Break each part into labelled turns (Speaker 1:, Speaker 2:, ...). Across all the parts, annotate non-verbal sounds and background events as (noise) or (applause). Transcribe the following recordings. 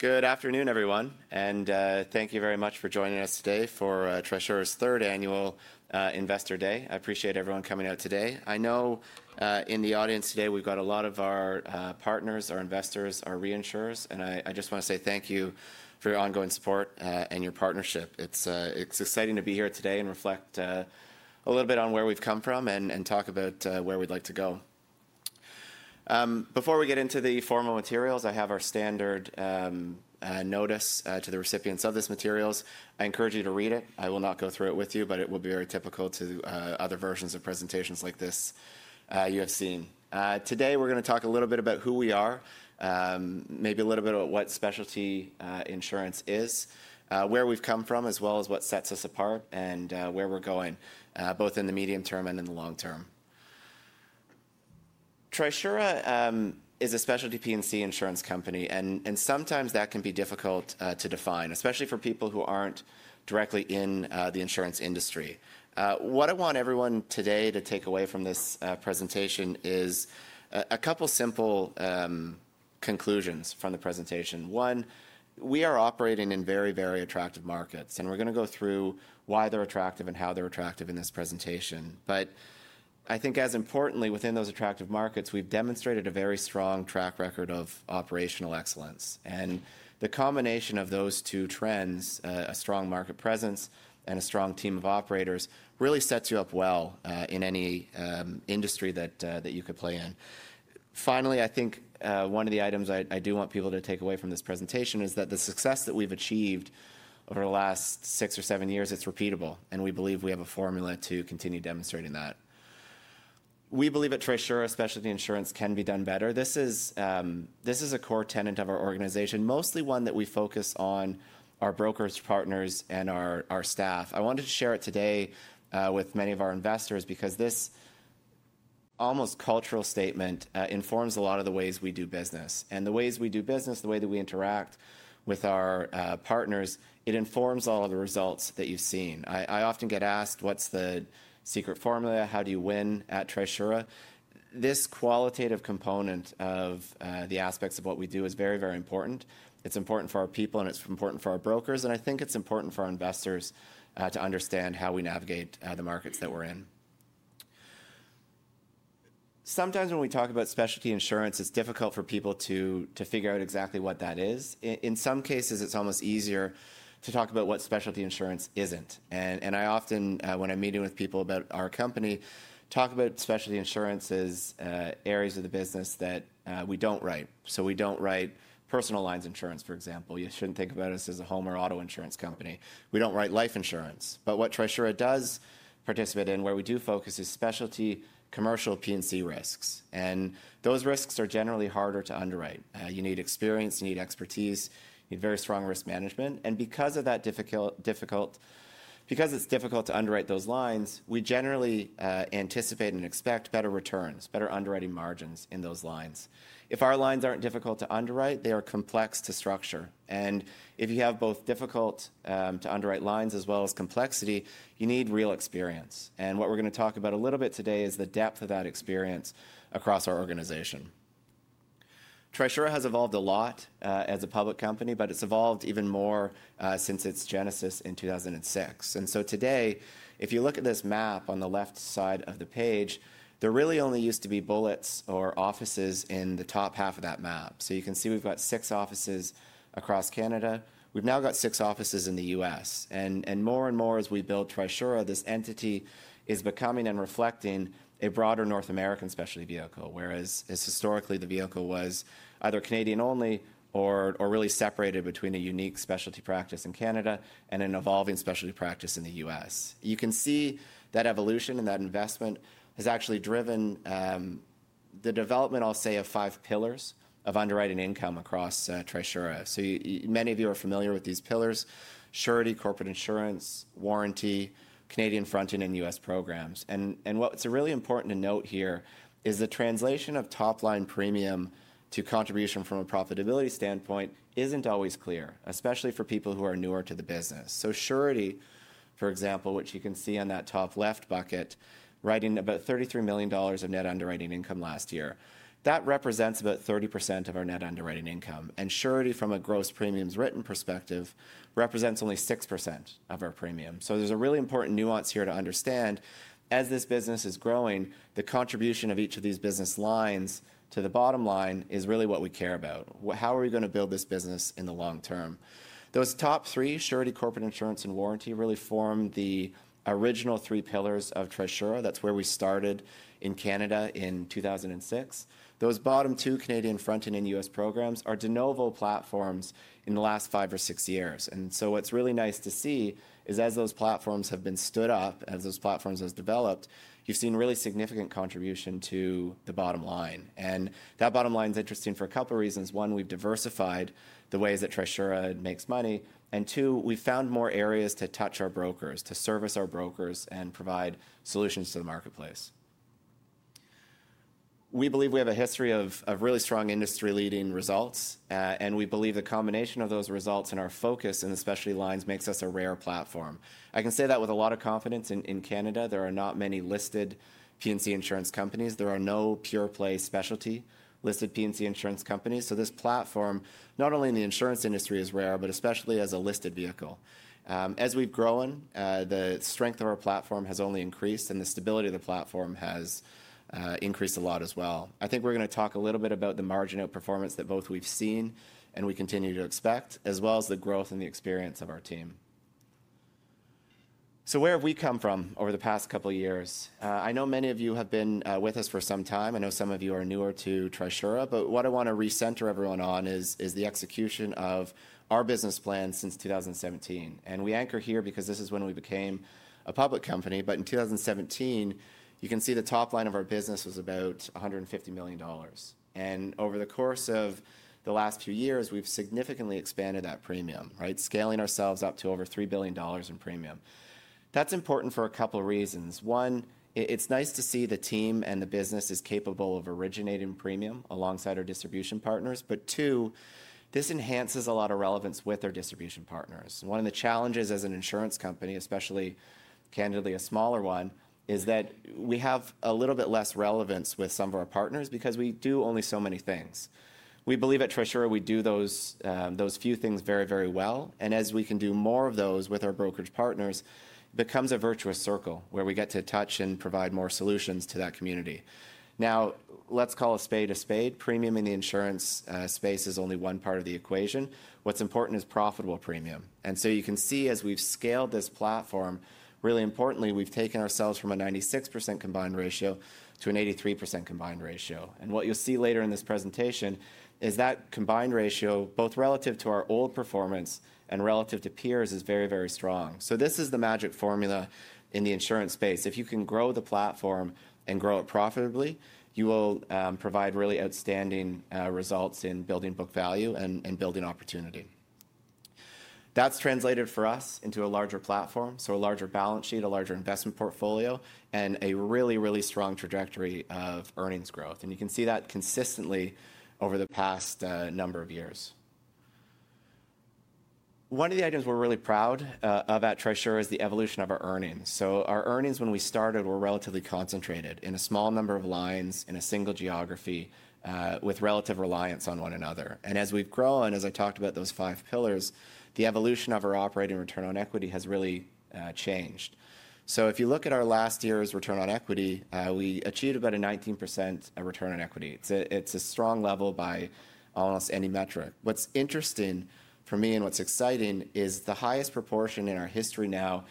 Speaker 1: Good afternoon, everyone, and thank you very much for joining us today for Trisura's third annual Investor Day. I appreciate everyone coming out today. I know in the audience today we've got a lot of our partners, our investors, our reinsurers, and I just want to say thank you for your ongoing support and your partnership. It's exciting to be here today and reflect a little bit on where we've come from and talk about where we'd like to go. Before we get into the formal materials, I have our standard notice to the recipients of these materials. I encourage you to read it. I will not go through it with you, but it will be very typical to other versions of presentations like this you have seen. Today we're going to talk a little bit about who we are, maybe a little bit about what specialty insurance is, where we've come from, as well as what sets us apart and where we're going, both in the medium term and in the long term. Trisura is a specialty P&C insurance company, and sometimes that can be difficult to define, especially for people who aren't directly in the insurance industry. What I want everyone today to take away from this presentation is a couple of simple conclusions from the presentation. One, we are operating in very, very attractive markets, and we're going to go through why they're attractive and how they're attractive in this presentation. I think, as importantly, within those attractive markets, we've demonstrated a very strong track record of operational excellence. The combination of those two trends, a strong market presence and a strong team of operators, really sets you up well in any industry that you could play in. Finally, I think one of the items I do want people to take away from this presentation is that the success that we have achieved over the last six or seven years is repeatable, and we believe we have a formula to continue demonstrating that. We believe at Trisura, specialty insurance can be done better. This is a core tenet of our organization, mostly one that we focus on our brokers, partners, and our staff. I wanted to share it today with many of our investors because this almost cultural statement informs a lot of the ways we do business. The ways we do business, the way that we interact with our partners, it informs all of the results that you've seen. I often get asked, what's the secret formula? How do you win at Trisura? This qualitative component of the aspects of what we do is very, very important. It's important for our people, and it's important for our brokers, and I think it's important for our investors to understand how we navigate the markets that we're in. Sometimes when we talk about specialty insurance, it's difficult for people to figure out exactly what that is. In some cases, it's almost easier to talk about what specialty insurance isn't. I often, when I'm meeting with people about our company, talk about specialty insurance as areas of the business that we don't write. We don't write personal lines insurance, for example. You shouldn't think about us as a home or auto insurance company. We don't write life insurance. What Trisura does participate in, where we do focus, is specialty commercial P&C risks. Those risks are generally harder to underwrite. You need experience, you need expertise, you need very strong risk management. Because it's difficult to underwrite those lines, we generally anticipate and expect better returns, better underwriting margins in those lines. If our lines aren't difficult to underwrite, they are complex to structure. If you have both difficult to underwrite lines as well as complexity, you need real experience. What we're going to talk about a little bit today is the depth of that experience across our organization. Trisura has evolved a lot as a public company, but it's evolved even more since its genesis in 2006. If you look at this map on the left side of the page, there really only used to be bullets or offices in the top half of that map. You can see we have six offices across Canada. We now have six offices in the U.S. More and more, as we build Trisura, this entity is becoming and reflecting a broader North American specialty vehicle, whereas historically the vehicle was either Canadian only or really separated between a unique specialty practice in Canada and an evolving specialty practice in the U.S. You can see that evolution and that investment has actually driven the development, I will say, of five pillars of underwriting income across Trisura. Many of you are familiar with these pillars: Surety, Corporate Insurance, Warranty, Canadian fronting, and U.S. programs. What is really important to note here is the translation of top-line premium to contribution from a profitability standpoint is not always clear, especially for people who are newer to the business. Surety, for example, which you can see on that top left bucket, writing about 33 million dollars of net underwriting income last year, represents about 30% of our net underwriting income. Surety, from a gross premiums written perspective, represents only 6% of our premium. There is a really important nuance here to understand. As this business is growing, the contribution of each of these business lines to the bottom line is really what we care about. How are we going to build this business in the long term? Those top three, Surety, Corporate Insurance, and Warranty, really form the original three pillars of Trisura. That is where we started in Canada in 2006. Those bottom two Canadian fronting and U.S. programs are de novo platforms in the last five or six years. What's really nice to see is, as those platforms have been stood up, as those platforms have developed, you've seen really significant contribution to the bottom line. That bottom line is interesting for a couple of reasons. One, we've diversified the ways that Trisura makes money. Two, we've found more areas to touch our brokers, to service our brokers, and provide solutions to the marketplace. We believe we have a history of really strong industry-leading results, and we believe the combination of those results and our focus in the specialty lines makes us a rare platform. I can say that with a lot of confidence. In Canada, there are not many listed P&C insurance companies. There are no pure-play specialty listed P&C insurance companies. This platform, not only in the insurance industry, is rare, but especially as a listed vehicle. As we've grown, the strength of our platform has only increased, and the stability of the platform has increased a lot as well. I think we're going to talk a little bit about the margin of performance that both we've seen and we continue to expect, as well as the growth and the experience of our team. Where have we come from over the past couple of years? I know many of you have been with us for some time. I know some of you are newer to Trisura. What I want to recenter everyone on is the execution of our business plan since 2017. We anchor here because this is when we became a public company. In 2017, you can see the top line of our business was about 150 million dollars. Over the course of the last few years, we've significantly expanded that premium, scaling ourselves up to over 3 billion dollars in premium. That's important for a couple of reasons. One, it's nice to see the team and the business is capable of originating premium alongside our distribution partners. Two, this enhances a lot of relevance with our distribution partners. One of the challenges as an insurance company, especially candidly a smaller one, is that we have a little bit less relevance with some of our partners because we do only so many things. We believe at Trisura, we do those few things very, very well. As we can do more of those with our brokerage partners, it becomes a virtuous circle where we get to touch and provide more solutions to that community. Now, let's call a spade a spade. Premium in the insurance space is only one part of the equation. What's important is profitable premium. You can see, as we've scaled this platform, really importantly, we've taken ourselves from a 96% combined ratio to an 83% combined ratio. What you'll see later in this presentation is that combined ratio, both relative to our old performance and relative to peers, is very, very strong. This is the magic formula in the insurance space. If you can grow the platform and grow it profitably, you will provide really outstanding results in building book value and building opportunity. That's translated for us into a larger platform, so a larger balance sheet, a larger investment portfolio, and a really, really strong trajectory of earnings growth. You can see that consistently over the past number of years. One of the items we're really proud of at Trisura is the evolution of our earnings. Our earnings, when we started, were relatively concentrated in a small number of lines in a single geography with relative reliance on one another. As we've grown, as I talked about those five pillars, the evolution of our operating return on equity has really changed. If you look at our last year's return on equity, we achieved about a 19% return on equity. It's a strong level by almost any metric. What's interesting for me and what's exciting is the highest proportion in our history now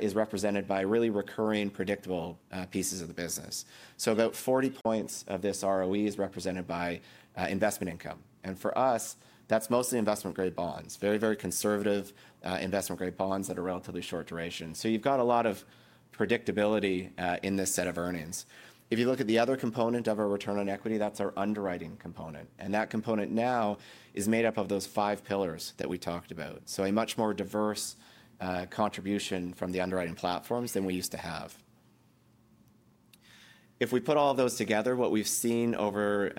Speaker 1: is represented by really recurring, predictable pieces of the business. About 40 percentage points of this ROE is represented by investment income. For us, that's mostly investment-grade bonds, very, very conservative investment-grade bonds that are relatively short duration. You've got a lot of predictability in this set of earnings. If you look at the other component of our return on equity, that's our underwriting component. That component now is made up of those five pillars that we talked about. A much more diverse contribution from the underwriting platforms than we used to have. If we put all of those together, what we've seen over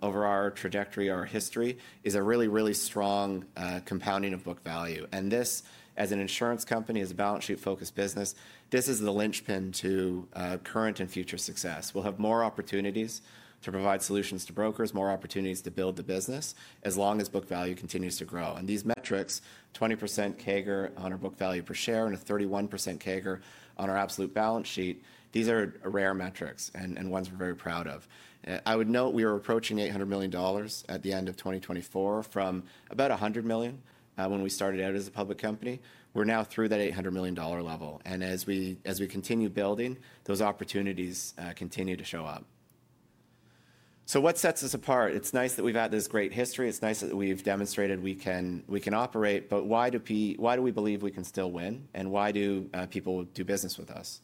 Speaker 1: our trajectory, our history, is a really, really strong compounding of book value. As an insurance company, as a balance sheet-focused business, this is the linchpin to current and future success. We will have more opportunities to provide solutions to brokers, more opportunities to build the business, as long as book value continues to grow. These metrics, 20% CAGR on our book value per share and a 31% CAGR on our absolute balance sheet, are rare metrics and ones we are very proud of. I would note we were approaching 800 million dollars at the end of 2024 from about 100 million when we started out as a public company. We are now through that 800 million dollar level. As we continue building, those opportunities continue to show up. What sets us apart? It is nice that we have had this great history. It is nice that we have demonstrated we can operate. Why do we believe we can still win? Why do people do business with us?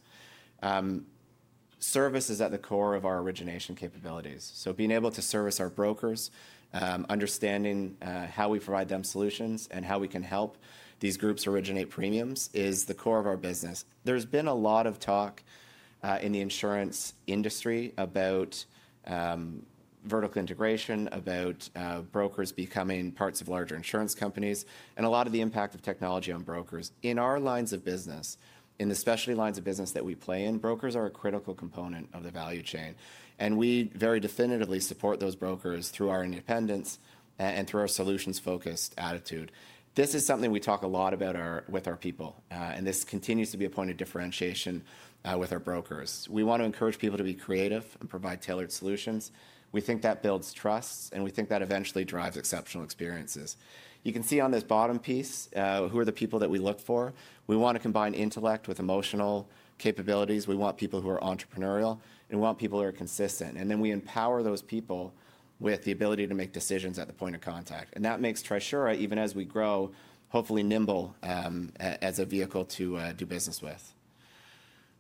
Speaker 1: Service is at the core of our origination capabilities. Being able to service our brokers, understanding how we provide them solutions and how we can help these groups originate premiums is the core of our business. There has been a lot of talk in the insurance industry about vertical integration, about brokers becoming parts of larger insurance companies, and a lot of the impact of technology on brokers. In our lines of business, in the specialty lines of business that we play in, brokers are a critical component of the value chain. We very definitively support those brokers through our independence and through our solutions-focused attitude. This is something we talk a lot about with our people. This continues to be a point of differentiation with our brokers. We want to encourage people to be creative and provide tailored solutions. We think that builds trust, and we think that eventually drives exceptional experiences. You can see on this bottom piece who are the people that we look for. We want to combine intellect with emotional capabilities. We want people who are entrepreneurial, and we want people who are consistent. We empower those people with the ability to make decisions at the point of contact. That makes Trisura, even as we grow, hopefully nimble as a vehicle to do business with.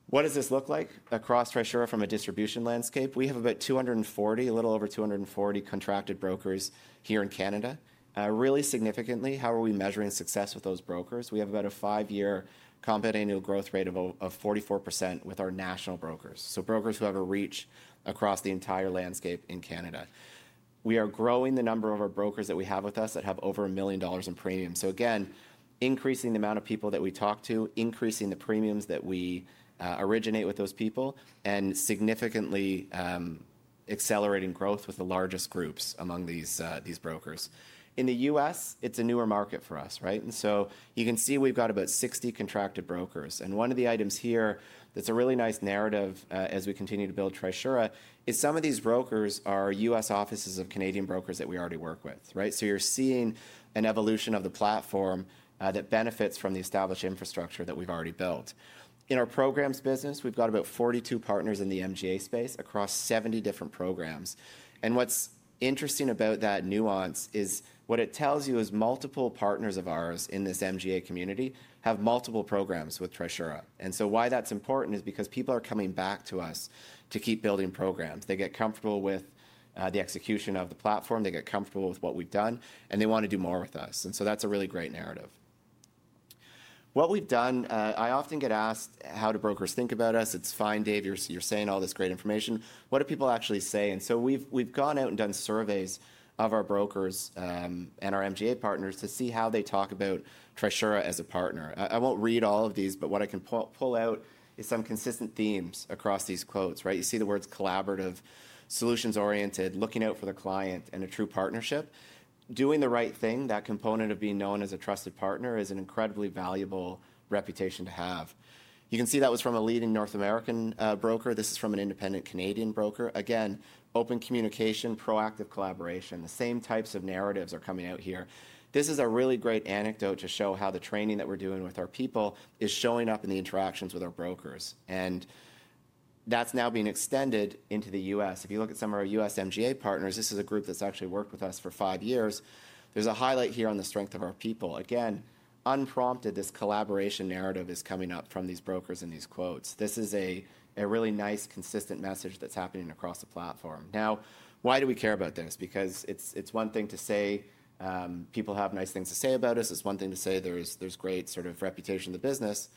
Speaker 1: What does this look like across Trisura from a distribution landscape? We have about 240, a little over 240 contracted brokers here in Canada. Really significantly, how are we measuring success with those brokers? We have about a five-year compound annual growth rate of 44% with our national brokers, so brokers who have a reach across the entire landscape in Canada. We are growing the number of our brokers that we have with us that have over 1 million dollars in premium. Again, increasing the amount of people that we talk to, increasing the premiums that we originate with those people, and significantly accelerating growth with the largest groups among these brokers. In the U.S., it is a newer market for us. You can see we have about 60 contracted brokers. One of the items here that is a really nice narrative as we continue to build Trisura is some of these brokers are U.S. offices of Canadian brokers that we already work with. You are seeing an evolution of the platform that benefits from the established infrastructure that we have already built. In our Programs business, we have about 42 partners in the MGA space across 70 different programs. What's interesting about that nuance is what it tells you is multiple partners of ours in this MGA community have multiple programs with Trisura. Why that's important is because people are coming back to us to keep building programs. They get comfortable with the execution of the platform. They get comfortable with what we've done, and they want to do more with us. That's a really great narrative. What we've done, I often get asked how do brokers think about us. "It's fine, Dave, you're saying all this great information." What do people actually say? We've gone out and done surveys of our brokers and our MGA partners to see how they talk about Trisura as a partner. I won't read all of these, but what I can pull out is some consistent themes across these quotes. You see the words collaborative, solutions-oriented, looking out for the client, and a true partnership. Doing the right thing, that component of being known as a trusted partner is an incredibly valuable reputation to have. You can see that was from a leading North American broker. This is from an independent Canadian broker. Again, open communication, proactive collaboration. The same types of narratives are coming out here. This is a really great anecdote to show how the training that we're doing with our people is showing up in the interactions with our brokers. That's now being extended into the U.S. If you look at some of our U.S. MGA partners, this is a group that's actually worked with us for five years. There's a highlight here on the strength of our people. Again, unprompted, this collaboration narrative is coming up from these brokers in these quotes. This is a really nice, consistent message that's happening across the platform. Now, why do we care about this? Because it's one thing to say people have nice things to say about us. It's one thing to say there's great sort of reputation in the business.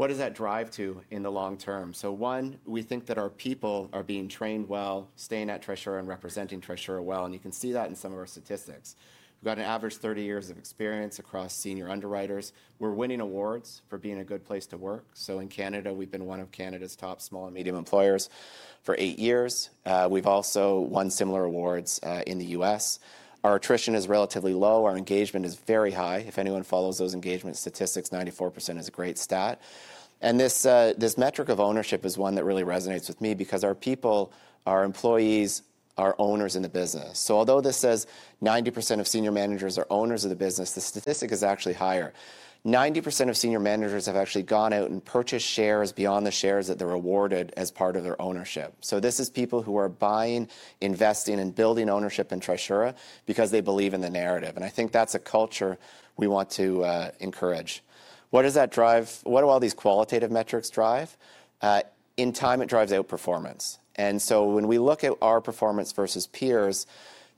Speaker 1: What does that drive to in the long term? One, we think that our people are being trained well, staying at Trisura and representing Trisura well. You can see that in some of our statistics. We've got an average 30 years of experience across senior underwriters. We're winning awards for being a good place to work. In Canada, we've been one of Canada's top small and medium employers for eight years. We've also won similar awards in the U.S. Our attrition is relatively low. Our engagement is very high. If anyone follows those engagement statistics, 94% is a great stat. This metric of ownership is one that really resonates with me because our people, our employees, are owners in the business. Although this says 90% of senior managers are owners of the business, the statistic is actually higher. 90% of senior managers have actually gone out and purchased shares beyond the shares that they are awarded as part of their ownership. This is people who are buying, investing, and building ownership in Trisura because they believe in the narrative. I think that is a culture we want to encourage. What does that drive? What do all these qualitative metrics drive? In time, it drives outperformance. When we look at our performance versus peers,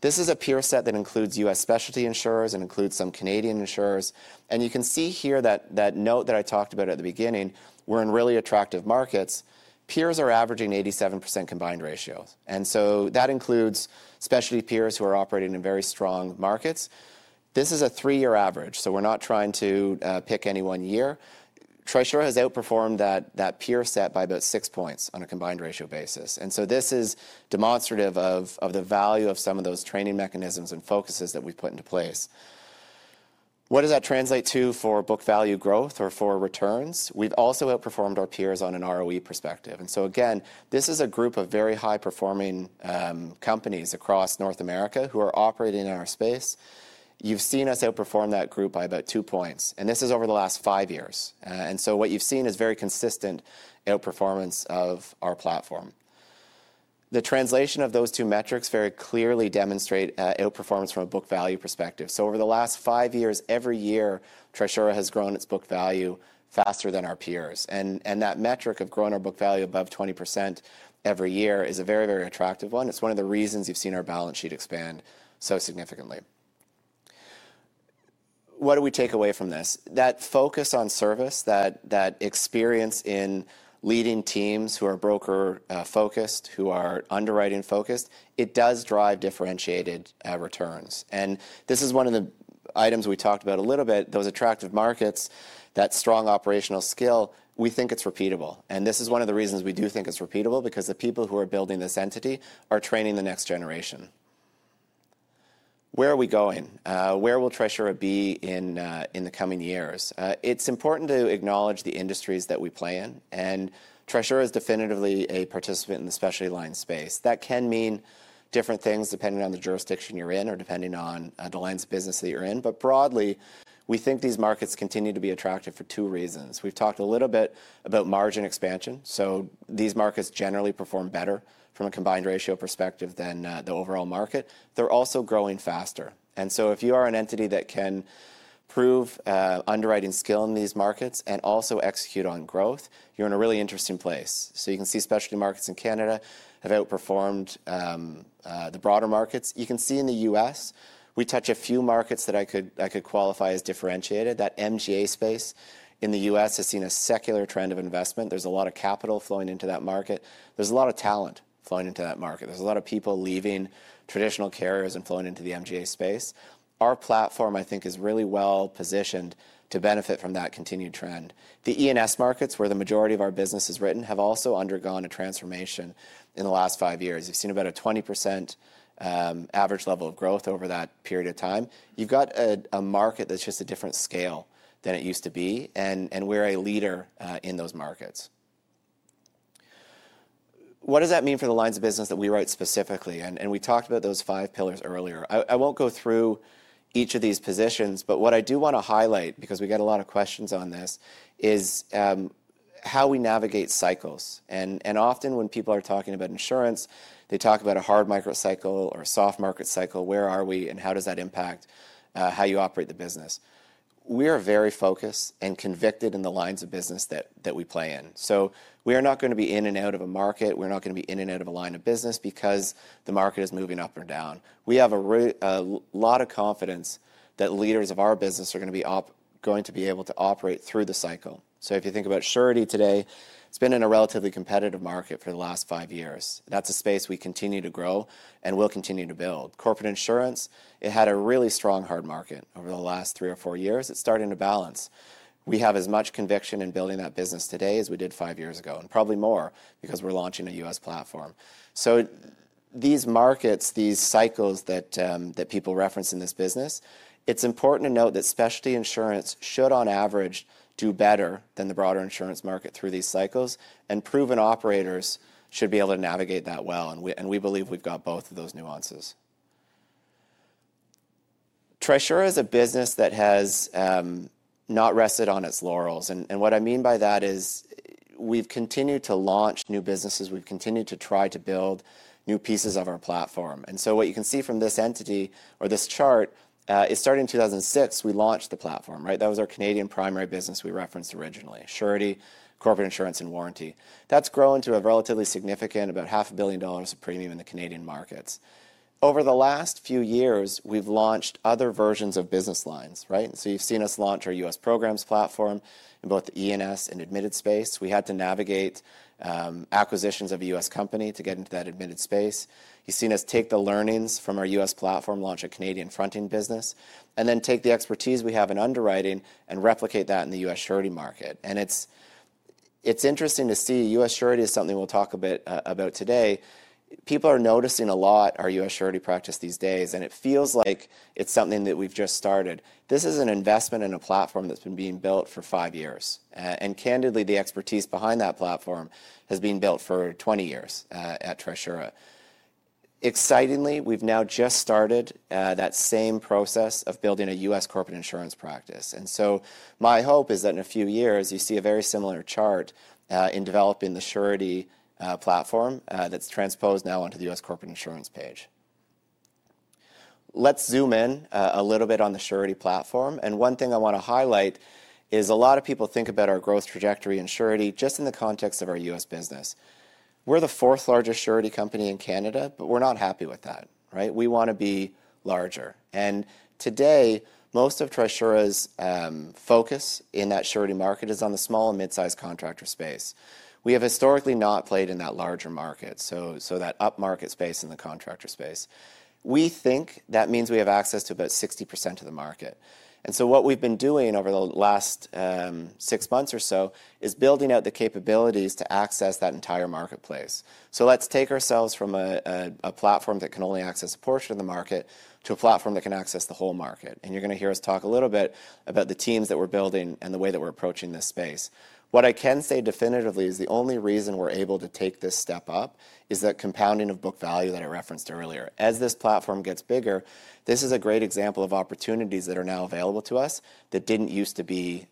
Speaker 1: this is a peer set that includes U.S. specialty insurers and includes some Canadian insurers. You can see here that note that I talked about at the beginning, we're in really attractive markets. Peers are averaging 87% combined ratio. That includes specialty peers who are operating in very strong markets. This is a three-year average. We're not trying to pick any one year. Trisura has outperformed that peer set by about six points on a combined ratio basis. This is demonstrative of the value of some of those training mechanisms and focuses that we've put into place. What does that translate to for book value growth or for returns? We've also outperformed our peers on an ROE perspective. Again, this is a group of very high-performing companies across North America who are operating in our space. You've seen us outperform that group by about two points. This is over the last five years. What you have seen is very consistent outperformance of our platform. The translation of those two metrics very clearly demonstrates outperformance from a book value perspective. Over the last five years, every year, Trisura has grown its book value faster than our peers. That metric of growing our book value above 20% every year is a very, very attractive one. It is one of the reasons you have seen our balance sheet expand so significantly. What do we take away from this? That focus on service, that experience in leading teams who are broker-focused, who are underwriting-focused, does drive differentiated returns. This is one of the items we talked about a little bit, those attractive markets, that strong operational skill. We think it is repeatable. This is one of the reasons we do think it's repeatable because the people who are building this entity are training the next generation. Where are we going? Where will Trisura be in the coming years? It's important to acknowledge the industries that we play in. Trisura is definitively a participant in the specialty line space. That can mean different things depending on the jurisdiction you're in or depending on the lines of business that you're in. Broadly, we think these markets continue to be attractive for two reasons. We've talked a little bit about margin expansion. These markets generally perform better from a combined ratio perspective than the overall market. They're also growing faster. If you are an entity that can prove underwriting skill in these markets and also execute on growth, you're in a really interesting place. You can see specialty markets in Canada have outperformed the broader markets. You can see in the U.S., we touch a few markets that I could qualify as differentiated. That MGA space in the U.S. has seen a secular trend of investment. There is a lot of capital flowing into that market. There is a lot of talent flowing into that market. There is a lot of people leaving traditional carriers and flowing into the MGA space. Our platform, I think, is really well positioned to benefit from that continued trend. The E&S markets, where the majority of our business is written, have also undergone a transformation in the last five years. You have seen about a 20% average level of growth over that period of time. You have got a market that is just a different scale than it used to be. We are a leader in those markets. What does that mean for the lines of business that we write specifically? We talked about those five pillars earlier. I won't go through each of these positions, but what I do want to highlight, because we get a lot of questions on this, is how we navigate cycles. Often, when people are talking about insurance, they talk about a hard market cycle or a soft market cycle. Where are we and how does that impact how you operate the business? We are very focused and convicted in the lines of business that we play in. We are not going to be in and out of a market. We are not going to be in and out of a line of business because the market is moving up or down. We have a lot of confidence that leaders of our business are going to be able to operate through the cycle. If you think about Surety today, it has been in a relatively competitive market for the last five years. That is a space we continue to grow and will continue to build. Corporate Insurance, it had a really strong hard market over the last three or four years. It is starting to balance. We have as much conviction in building that business today as we did five years ago, and probably more because we are launching a U.S. platform. These markets, these cycles that people reference in this business, it is important to note that specialty insurance should, on average, do better than the broader insurance market through these cycles. Proven operators should be able to navigate that well. We believe we have got both of those nuances. Trisura is a business that has not rested on its laurels. What I mean by that is we've continued to launch new businesses. We've continued to try to build new pieces of our platform. What you can see from this entity or this chart is starting in 2006, we launched the platform. That was our Canadian primary business we referenced originally, Surety, Corporate Insurance, and Warranty. That has grown to a relatively significant, about 500 million dollars of premium in the Canadian markets. Over the last few years, we've launched other versions of business lines. You have seen us launch our U.S. Programs platform in both the E&S and admitted space. We had to navigate acquisitions of a U.S. company to get into that admitted space. You have seen us take the learnings from our U.S. platform, launch a Canadian fronting business, and then take the expertise we have in underwriting and replicate that in the U.S. Surety market. It's interesting to see U.S. Surety is something we'll talk a bit about today. People are noticing a lot our U.S. Surety practice these days, and it feels like it's something that we've just started. This is an investment in a platform that's been being built for five years. Candidly, the expertise behind that platform has been built for 20 years at Trisura. Excitingly, we've now just started that same process of building a U.S. Corporate Insurance practice. My hope is that in a few years, you see a very similar chart in developing the Surety platform that's transposed now onto the U.S. Corporate Insurance page. Let's zoom in a little bit on the Surety platform. One thing I want to highlight is a lot of people think about our growth trajectory in Surety just in the context of our U.S. business. We are the fourth largest Surety company in Canada, but we are not happy with that. We want to be larger. Today, most of Trisura's focus in that Surety market is on the small and mid-sized contractor space. We have historically not played in that larger market, that up market space in the contractor space. We think that means we have access to about 60% of the market. What we have been doing over the last six months or so is building out the capabilities to access that entire marketplace. Let us take ourselves from a platform that can only access a portion of the market to a platform that can access the whole market. You're going to hear us talk a little bit about the teams that we're building and the way that we're approaching this space. What I can say definitively is the only reason we're able to take this step up is that compounding of book value that I referenced earlier. As this platform gets bigger, this is a great example of opportunities that are now available to us that did not used to be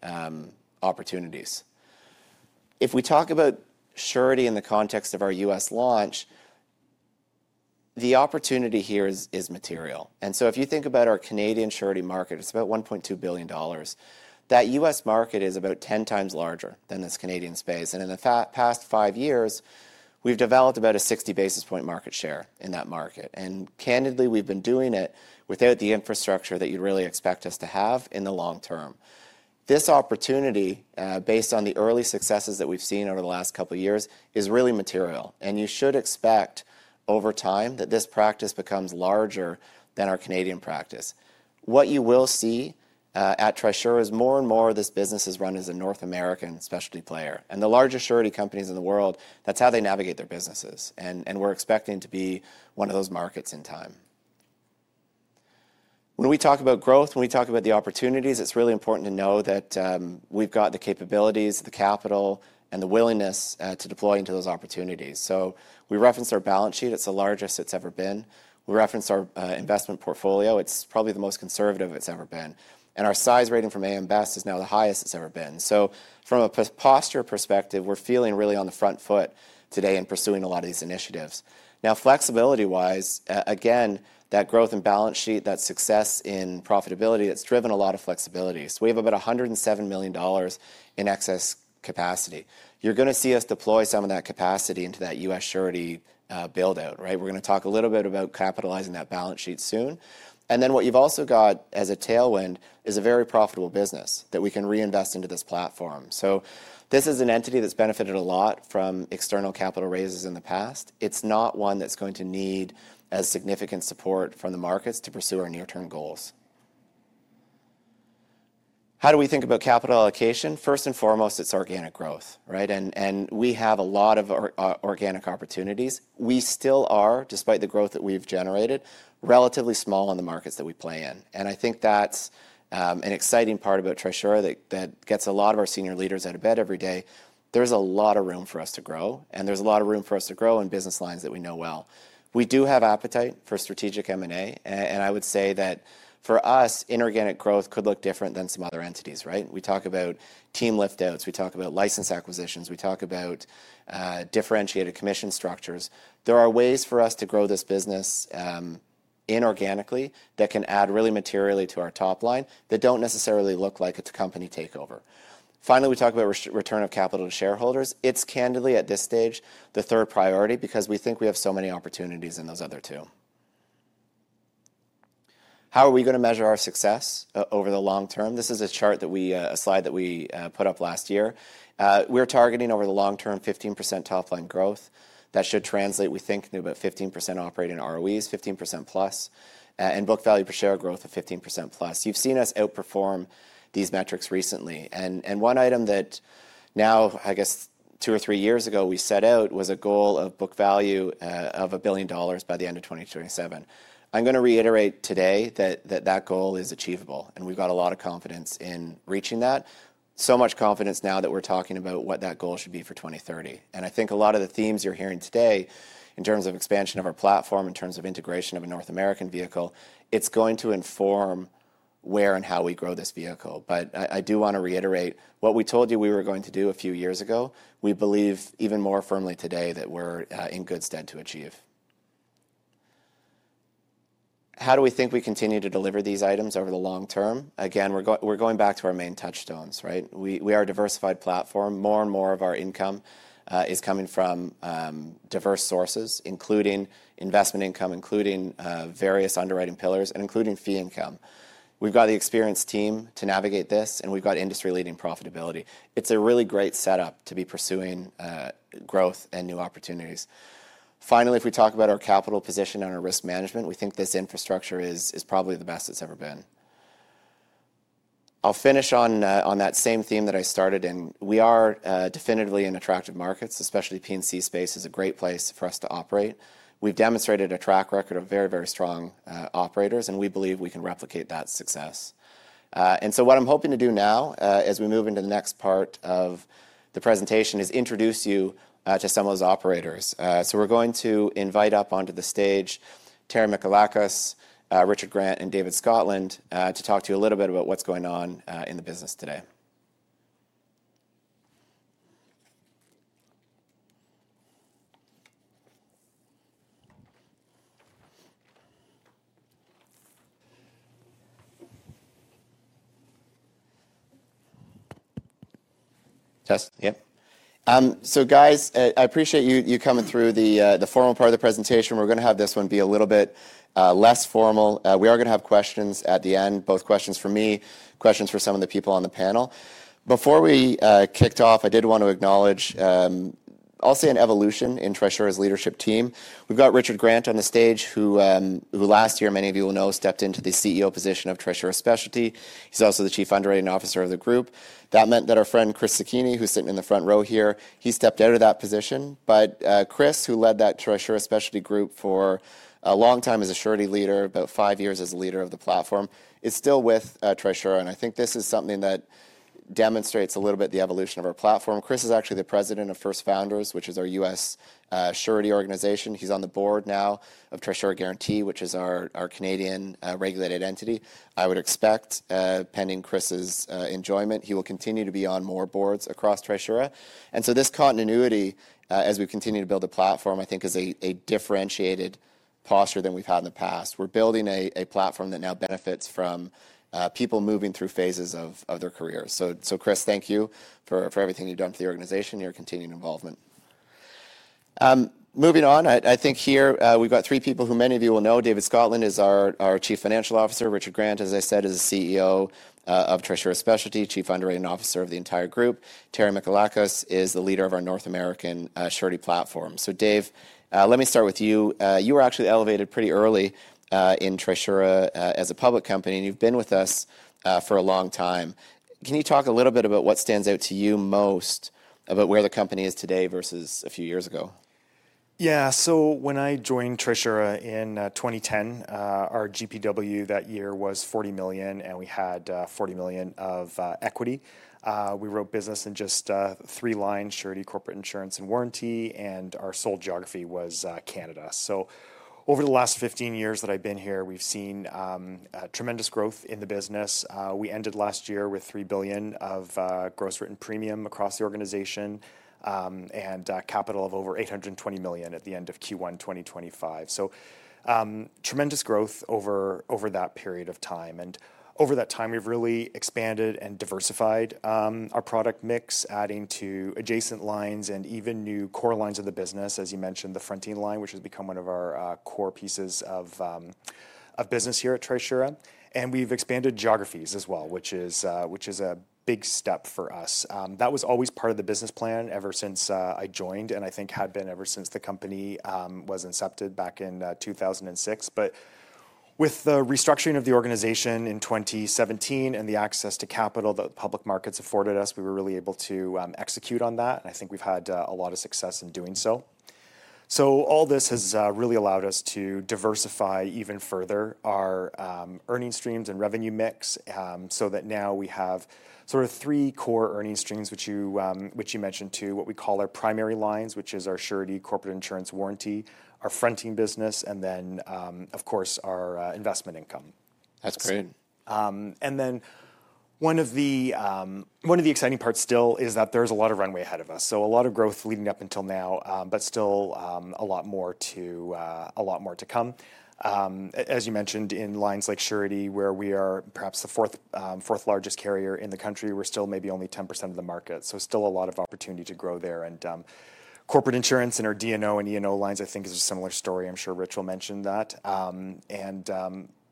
Speaker 1: opportunities. If we talk about Surety in the context of our U.S. launch, the opportunity here is material. If you think about our Canadian Surety market, it's about 1.2 billion dollars. That U.S. market is about 10 times larger than this Canadian space. In the past five years, we've developed about a 60 basis point market share in that market. Candidly, we've been doing it without the infrastructure that you'd really expect us to have in the long term. This opportunity, based on the early successes that we've seen over the last couple of years, is really material. You should expect over time that this practice becomes larger than our Canadian practice. What you will see at Trisura is more and more of this business is run as a North American specialty player. The larger Surety companies in the world, that's how they navigate their businesses. We're expecting to be one of those markets in time. When we talk about growth, when we talk about the opportunities, it's really important to know that we've got the capabilities, the capital, and the willingness to deploy into those opportunities. We referenced our balance sheet. It's the largest it's ever been. We referenced our investment portfolio. It's probably the most conservative it's ever been. Our size rating from AM Best is now the highest it's ever been. From a posture perspective, we're feeling really on the front foot today in pursuing a lot of these initiatives. Now, flexibility-wise, again, that growth and balance sheet, that success in profitability, that's driven a lot of flexibility. We have about 107 million dollars in excess capacity. You're going to see us deploy some of that capacity into that U.S. Surety build-out. We're going to talk a little bit about capitalizing that balance sheet soon. What you've also got as a tailwind is a very profitable business that we can reinvest into this platform. This is an entity that's benefited a lot from external capital raises in the past. It's not one that's going to need as significant support from the markets to pursue our near-term goals. How do we think about capital allocation? First and foremost, it's organic growth. And we have a lot of organic opportunities. We still are, despite the growth that we've generated, relatively small in the markets that we play in. I think that's an exciting part about Trisura that gets a lot of our senior leaders out of bed every day. There's a lot of room for us to grow. There's a lot of room for us to grow in business lines that we know well. We do have appetite for strategic M&A. I would say that for us, inorganic growth could look different than some other entities. We talk about team lift-outs. We talk about license acquisitions. We talk about differentiated commission structures. There are ways for us to grow this business inorganically that can add really materially to our top line that do not necessarily look like a company takeover. Finally, we talk about return of capital to shareholders. It is candidly, at this stage, the third priority because we think we have so many opportunities in those other two. How are we going to measure our success over the long term? This is a chart that we, a slide that we put up last year. We are targeting over the long term, 15% top line growth. That should translate, we think, to about 15% operating ROEs, 15%+, and book value per share growth of 15%+. You have seen us outperform these metrics recently. One item that now, I guess, two or three years ago, we set out was a goal of book value of 1 billion dollars by the end of 2027. I'm going to reiterate today that that goal is achievable. We've got a lot of confidence in reaching that, so much confidence now that we're talking about what that goal should be for 2030. I think a lot of the themes you're hearing today in terms of expansion of our platform, in terms of integration of a North American vehicle, are going to inform where and how we grow this vehicle. I do want to reiterate what we told you we were going to do a few years ago. We believe even more firmly today that we're in good stead to achieve. How do we think we continue to deliver these items over the long term? Again, we're going back to our main touchstones. We are a diversified platform. More and more of our income is coming from diverse sources, including investment income, including various underwriting pillars, and including fee income. We've got the experienced team to navigate this, and we've got industry-leading profitability. It's a really great setup to be pursuing growth and new opportunities. Finally, if we talk about our capital position and our risk management, we think this infrastructure is probably the best it's ever been. I'll finish on that same theme that I started in. We are definitively in attractive markets. Especially P&C space is a great place for us to operate. We've demonstrated a track record of very, very strong operators, and we believe we can replicate that success. What I'm hoping to do now as we move into the next part of the presentation is introduce you to some of those operators. We're going to invite up onto the stage Terry Michalakos, Richard Grant, and David Scotland to talk to you a little bit about what's going on in the business today. Yep. Guys, I appreciate you coming through the formal part of the presentation. We're going to have this one be a little bit less formal. We are going to have questions at the end, both questions for me, questions for some of the people on the panel. Before we kicked off, I did want to acknowledge, I'll say, an evolution in Trisura's leadership team. We've got Richard Grant on the stage, who last year, many of you will know, stepped into the CEO position of Trisura Specialty. He's also the Chief Underwriting Officer of the group. That meant that our friend Chris Sekine, who's sitting in the front row here, he stepped out of that position. Chris, who led that Trisura Specialty group for a long time as a Surety leader, about five years as a leader of the platform, is still with Trisura. I think this is something that demonstrates a little bit the evolution of our platform. Chris is actually the president of First Founders, which is our U.S. Surety organization. He's on the board now of Trisura Guarantee, which is our Canadian regulated entity. I would expect, pending Chris's enjoyment, he will continue to be on more boards across Trisura. This continuity, as we continue to build a platform, I think is a differentiated posture than we've had in the past. We're building a platform that now benefits from people moving through phases of their careers. Chris, thank you for everything you've done for the organization and your continued involvement. Moving on, I think here we've got three people who many of you will know. David Scotland is our Chief Financial Officer. Richard Grant, as I said, is the CEO of Trisura Specialty, Chief Underwriting Officer of the entire group. Terry Michalakos is the leader of our North American Surety platform. So Dave, let me start with you. You were actually elevated pretty early in Trisura as a public company, and you've been with us for a long time. Can you talk a little bit about what stands out to you most about where the company is today versus a few years ago?
Speaker 2: Yeah. So when I joined Trisura in 2010, our GPW that year was 40 million, and we had 40 million of equity. We wrote business in just three lines: Surety, Corporate Insurance, and Warranty. And our sole geography was Canada. Over the last 15 years that I've been here, we've seen tremendous growth in the business. We ended last year with 3 billion of gross written premium across the organization and capital of over 820 million at the end of Q1 2025. Tremendous growth over that period of time. Over that time, we've really expanded and diversified our product mix, adding to adjacent lines and even new core lines of the business, as you mentioned, the fronting line, which has become one of our core pieces of business here at Trisura. We've expanded geographies as well, which is a big step for us. That was always part of the business plan ever since I joined, and I think had been ever since the company was incepted back in 2006. With the restructuring of the organization in 2017 and the access to capital that the public markets afforded us, we were really able to execute on that. I think we've had a lot of success in doing so. All this has really allowed us to diversify even further our earnings streams and revenue mix so that now we have sort of three core earnings streams, which you mentioned, too, what we call our primary lines, which is our Surety, Corporate Insurance, Warranty, our fronting business, and then, of course, our investment income.
Speaker 1: That's great.
Speaker 2: One of the exciting parts still is that there's a lot of runway ahead of us. A lot of growth leading up until now, but still a lot more to come. As you mentioned, in lines like Surety, where we are perhaps the fourth largest carrier in the country, we're still maybe only 10% of the market. Still a lot of opportunity to grow there. In Corporate Insurance and our D&O and E&O lines, I think, is a similar story. I'm sure Rich will mention that.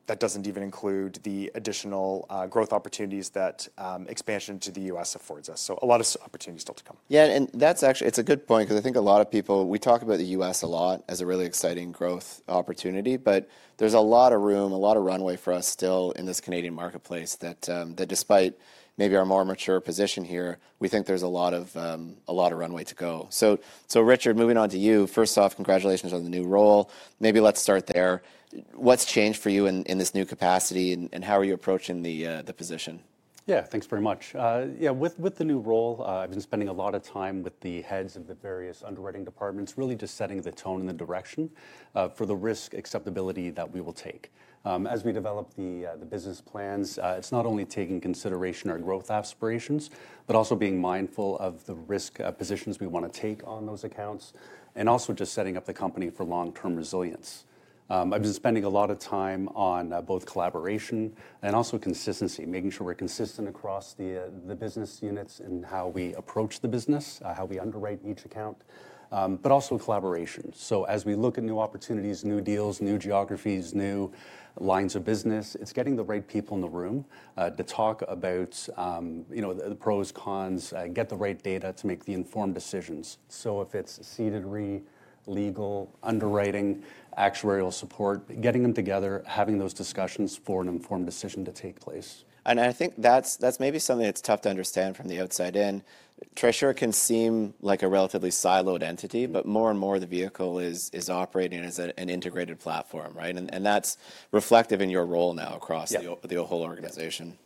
Speaker 2: That does not even include the additional growth opportunities that expansion to the U.S. affords us. A lot of opportunities still to come.
Speaker 1: Yeah. That is actually a good point because I think a lot of people, we talk about the U.S. a lot as a really exciting growth opportunity. There is a lot of room, a lot of runway for us still in this Canadian marketplace that, despite maybe our more mature position here, we think there is a lot of runway to go. Richard, moving on to you. First off, congratulations on the new role. Maybe let's start there. What's changed for you in this new capacity, and how are you approaching the position?
Speaker 3: Yeah. Thanks very much. Yeah. With the new role, I've been spending a lot of time with the heads of the various underwriting departments, really just setting the tone and the direction for the risk acceptability that we will take. As we develop the business plans, it's not only taking into consideration our growth aspirations, but also being mindful of the risk positions we want to take on those accounts, and also just setting up the company for long-term resilience. I've been spending a lot of time on both collaboration and also consistency, making sure we're consistent across the business units in how we approach the business, how we underwrite each account, but also collaboration. As we look at new opportunities, new deals, new geographies, new lines of business, it's getting the right people in the room to talk about the pros, cons, get the right data to make the informed decisions. If it's seed and re, legal, underwriting, actuarial support, getting them together, having those discussions for an informed decision to take place.
Speaker 1: I think that's maybe something that's tough to understand from the outside in. Trisura can seem like a relatively siloed entity, but more and more the vehicle is operating as an integrated platform. That's reflective in your role now across the whole organization.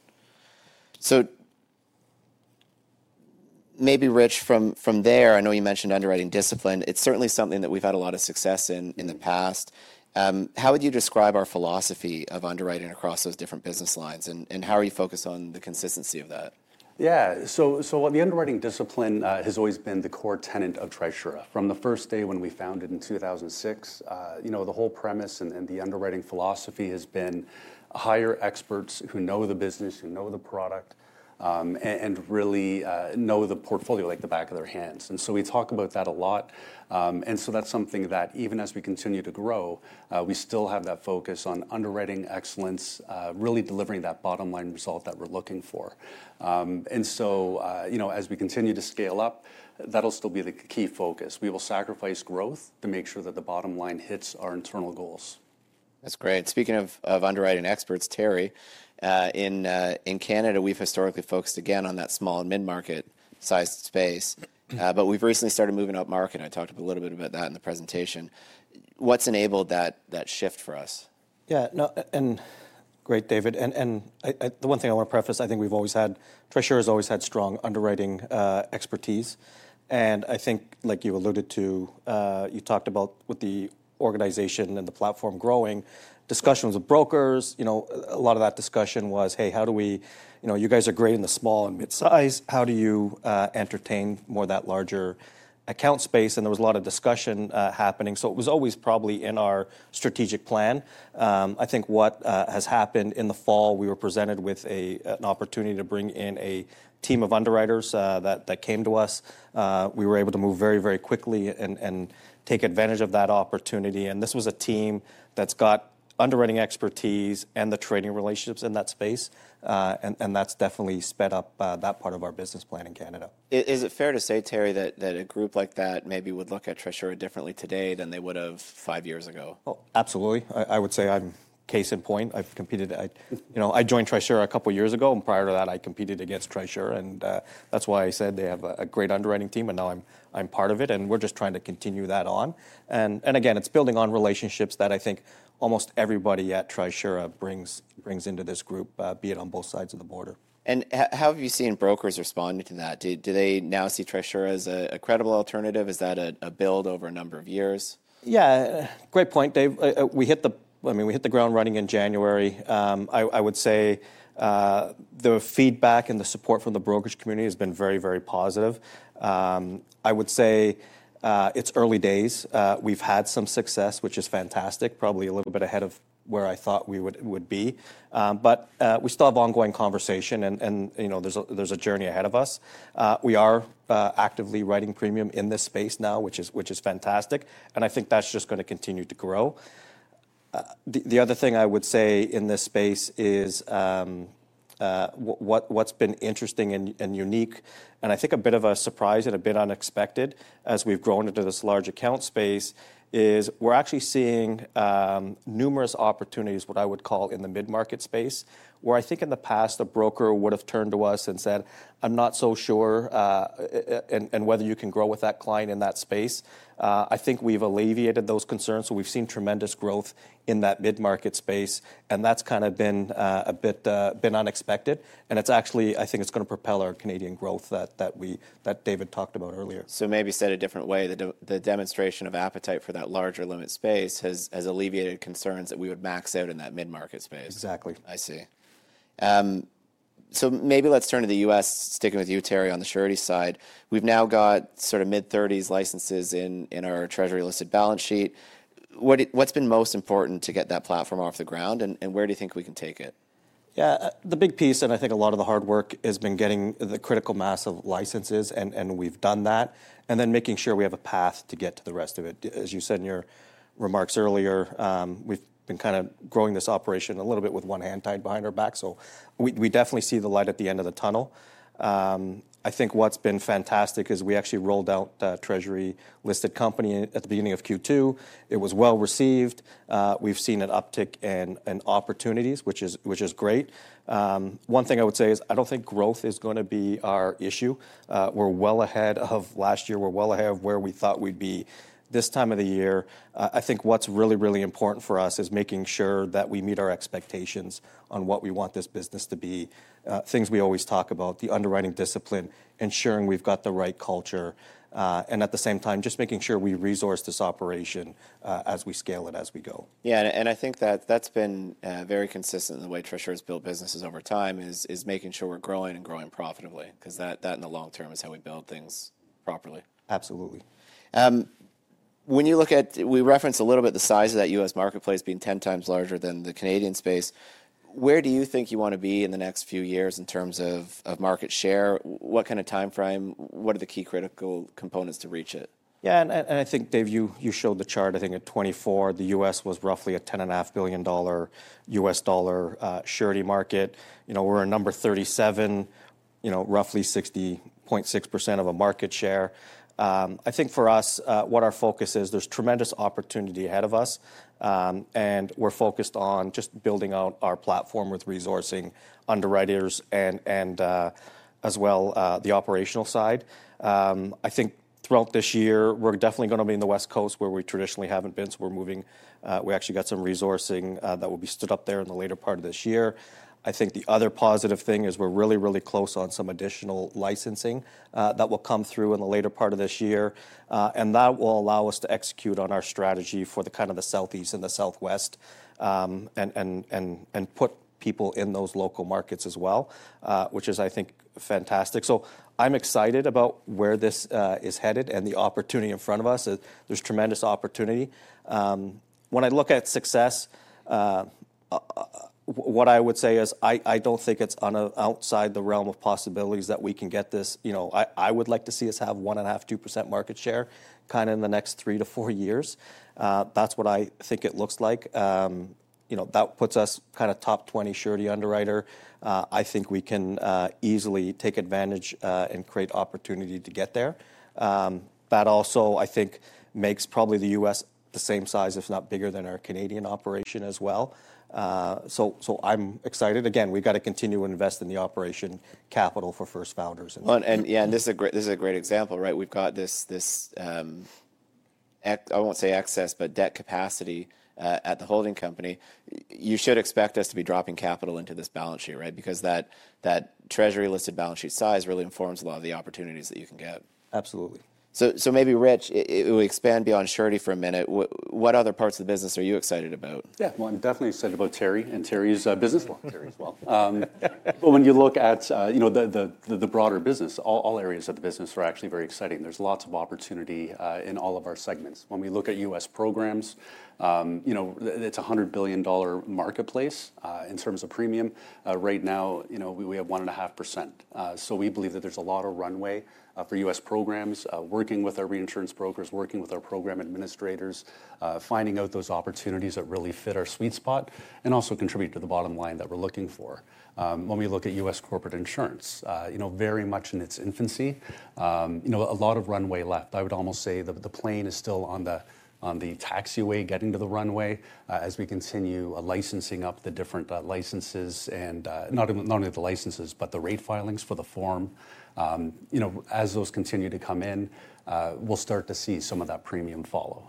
Speaker 1: Maybe, Rich, from there, I know you mentioned underwriting discipline. It's certainly something that we've had a lot of success in the past. How would you describe our philosophy of underwriting across those different business lines, and how are you focused on the consistency of that?
Speaker 3: Yeah. So the underwriting discipline has always been the core tenet of Trisura. From the first day when we founded in 2006, the whole premise and the underwriting philosophy has been hire experts who know the business, who know the product, and really know the portfolio like the back of their hands. And so we talk about that a lot. And so that's something that even as we continue to grow, we still have that focus on underwriting excellence, really delivering that bottom line result that we're looking for. And as we continue to scale up, that'll still be the key focus. We will sacrifice growth to make sure that the bottom line hits our internal goals.
Speaker 1: That's great. Speaking of underwriting experts, Terry, in Canada, we've historically focused again on that small and mid-market sized space. We have recently started moving up market. I talked a little bit about that in the presentation. What has enabled that shift for us?
Speaker 4: Yeah. Great, David. The one thing I want to preface, I think we've always had Trisura has always had strong underwriting expertise. I think, like you alluded to, you talked about with the organization and the platform growing, discussions with brokers, a lot of that discussion was, hey, how do we, you guys are great in the small and mid-size. How do you entertain more of that larger account space? There was a lot of discussion happening. It was always probably in our strategic plan. I think what has happened in the fall, we were presented with an opportunity to bring in a team of underwriters that came to us. We were able to move very, very quickly and take advantage of that opportunity. This was a team that has got underwriting expertise and the trading relationships in that space. That has definitely sped up that part of our business plan in Canada.
Speaker 1: Is it fair to say, Terry, that a group like that maybe would look at Trisura differently today than they would have five years ago?
Speaker 4: Oh, absolutely. I would say I am case in point. I have competed. I joined Trisura a couple of years ago, and prior to that, I competed against Trisura. That is why I said they have a great underwriting team, and now I am part of it. We are just trying to continue that on. Again, it's building on relationships that I think almost everybody at Trisura brings into this group, be it on both sides of the border.
Speaker 1: How have you seen brokers responding to that? Do they now see Trisura as a credible alternative? Is that a build over a number of years?
Speaker 4: Yeah. Great point, Dave. I mean, we hit the ground running in January. I would say the feedback and the support from the brokerage community has been very, very positive. I would say it's early days. We've had some success, which is fantastic, probably a little bit ahead of where I thought we would be. We still have ongoing conversation, and there's a journey ahead of us. We are actively writing premium in this space now, which is fantastic. I think that's just going to continue to grow. The other thing I would say in this space is what's been interesting and unique, and I think a bit of a surprise and a bit unexpected as we've grown into this large account space, is we're actually seeing numerous opportunities, what I would call in the mid-market space, where I think in the past a broker would have turned to us and said, "I'm not so sure and whether you can grow with that client in that space." I think we've alleviated those concerns. We've seen tremendous growth in that mid-market space. That's kind of been a bit unexpected. I think it's going to propel our Canadian growth that David talked about earlier.
Speaker 1: Maybe said a different way, the demonstration of appetite for that larger limit space has alleviated concerns that we would max out in that mid-market space.
Speaker 4: Exactly.
Speaker 1: I see. Maybe let's turn to the U.S. Sticking with you, Terry, on the Surety side, we've now got sort of mid-30s licenses in our Treasury listed balance sheet. What's been most important to get that platform off the ground, and where do you think we can take it?
Speaker 4: Yeah. The big piece, and I think a lot of the hard work has been getting the critical mass of licenses, and we've done that, and then making sure we have a path to get to the rest of it. As you said in your remarks earlier, we've been kind of growing this operation a little bit with one hand tied behind our back. We definitely see the light at the end of the tunnel. I think what's been fantastic is we actually rolled out Treasury listed company at the beginning of Q2. It was well received. We've seen an uptick in opportunities, which is great. One thing I would say is I don't think growth is going to be our issue. We're well ahead of last year. We're well ahead of where we thought we'd be this time of the year. I think what's really, really important for us is making sure that we meet our expectations on what we want this business to be. Things we always talk about, the underwriting discipline, ensuring we've got the right culture, and at the same time, just making sure we resource this operation as we scale it as we go.
Speaker 1: Yeah. I think that that's been very consistent in the way Trisura has built businesses over time, is making sure we're growing and growing profitably because that in the long term is how we build things properly.
Speaker 4: Absolutely.
Speaker 1: When you look at, we referenced a little bit the size of that U.S. marketplace being 10 times larger than the Canadian space. Where do you think you want to be in the next few years in terms of market share? What kind of time frame? What are the key critical components to reach it?
Speaker 4: Yeah. I think, Dave, you showed the chart. I think at 2024, the U.S. was roughly a $10.5 billion Surety market. We are number 37, roughly 0.6% of a market share. I think for us, what our focus is, there is tremendous opportunity ahead of us. We are focused on just building out our platform with resourcing underwriters and as well the operational side. I think throughout this year, we are definitely going to be in the West Coast where we traditionally have not been. We're moving. We actually got some resourcing that will be stood up there in the later part of this year. I think the other positive thing is we're really, really close on some additional licensing that will come through in the later part of this year. That will allow us to execute on our strategy for the Southeast and the Southwest and put people in those local markets as well, which is, I think, fantastic. I'm excited about where this is headed and the opportunity in front of us. There's tremendous opportunity. When I look at success, what I would say is I don't think it's outside the realm of possibilities that we can get this. I would like to see us have 1.5%-2% market share in the next 3-4 years. That's what I think it looks like. That puts us kind of top 20 Surety underwriter. I think we can easily take advantage and create opportunity to get there. That also, I think, makes probably the U.S. the same size, if not bigger than our Canadian operation as well. I am excited. Again, we have got to continue to invest in the operation capital for First Founders.
Speaker 1: Yeah, and this is a great example, right? We have got this, I will not say excess, but debt capacity at the holding company. You should expect us to be dropping capital into this balance sheet, right? Because that Trisura listed balance sheet size really informs a lot of the opportunities that you can get.
Speaker 4: Absolutely.
Speaker 1: Maybe, Rich, we expand beyond Surety for a minute. What other parts of the business are you excited about?
Speaker 3: Yeah. I am definitely excited about Terry and Terry's business. Terry as well. When you look at the broader business, all areas of the business are actually very exciting. There is lots of opportunity in all of our segments. When we look at U.S. programs, it is a $100 billion marketplace in terms of premium. Right now, we have 1.5%. We believe that there is a lot of runway for U.S. programs, working with our reinsurance brokers, working with our program administrators, finding out those opportunities that really fit our sweet spot and also contribute to the bottom line that we are looking for. When we look at U.S. Corporate Insurance, very much in its infancy, a lot of runway left. I would almost say the plane is still on the taxiway getting to the runway as we continue licensing up the different licenses, and not only the licenses, but the rate filings for the form. As those continue to come in, we'll start to see some of that premium follow.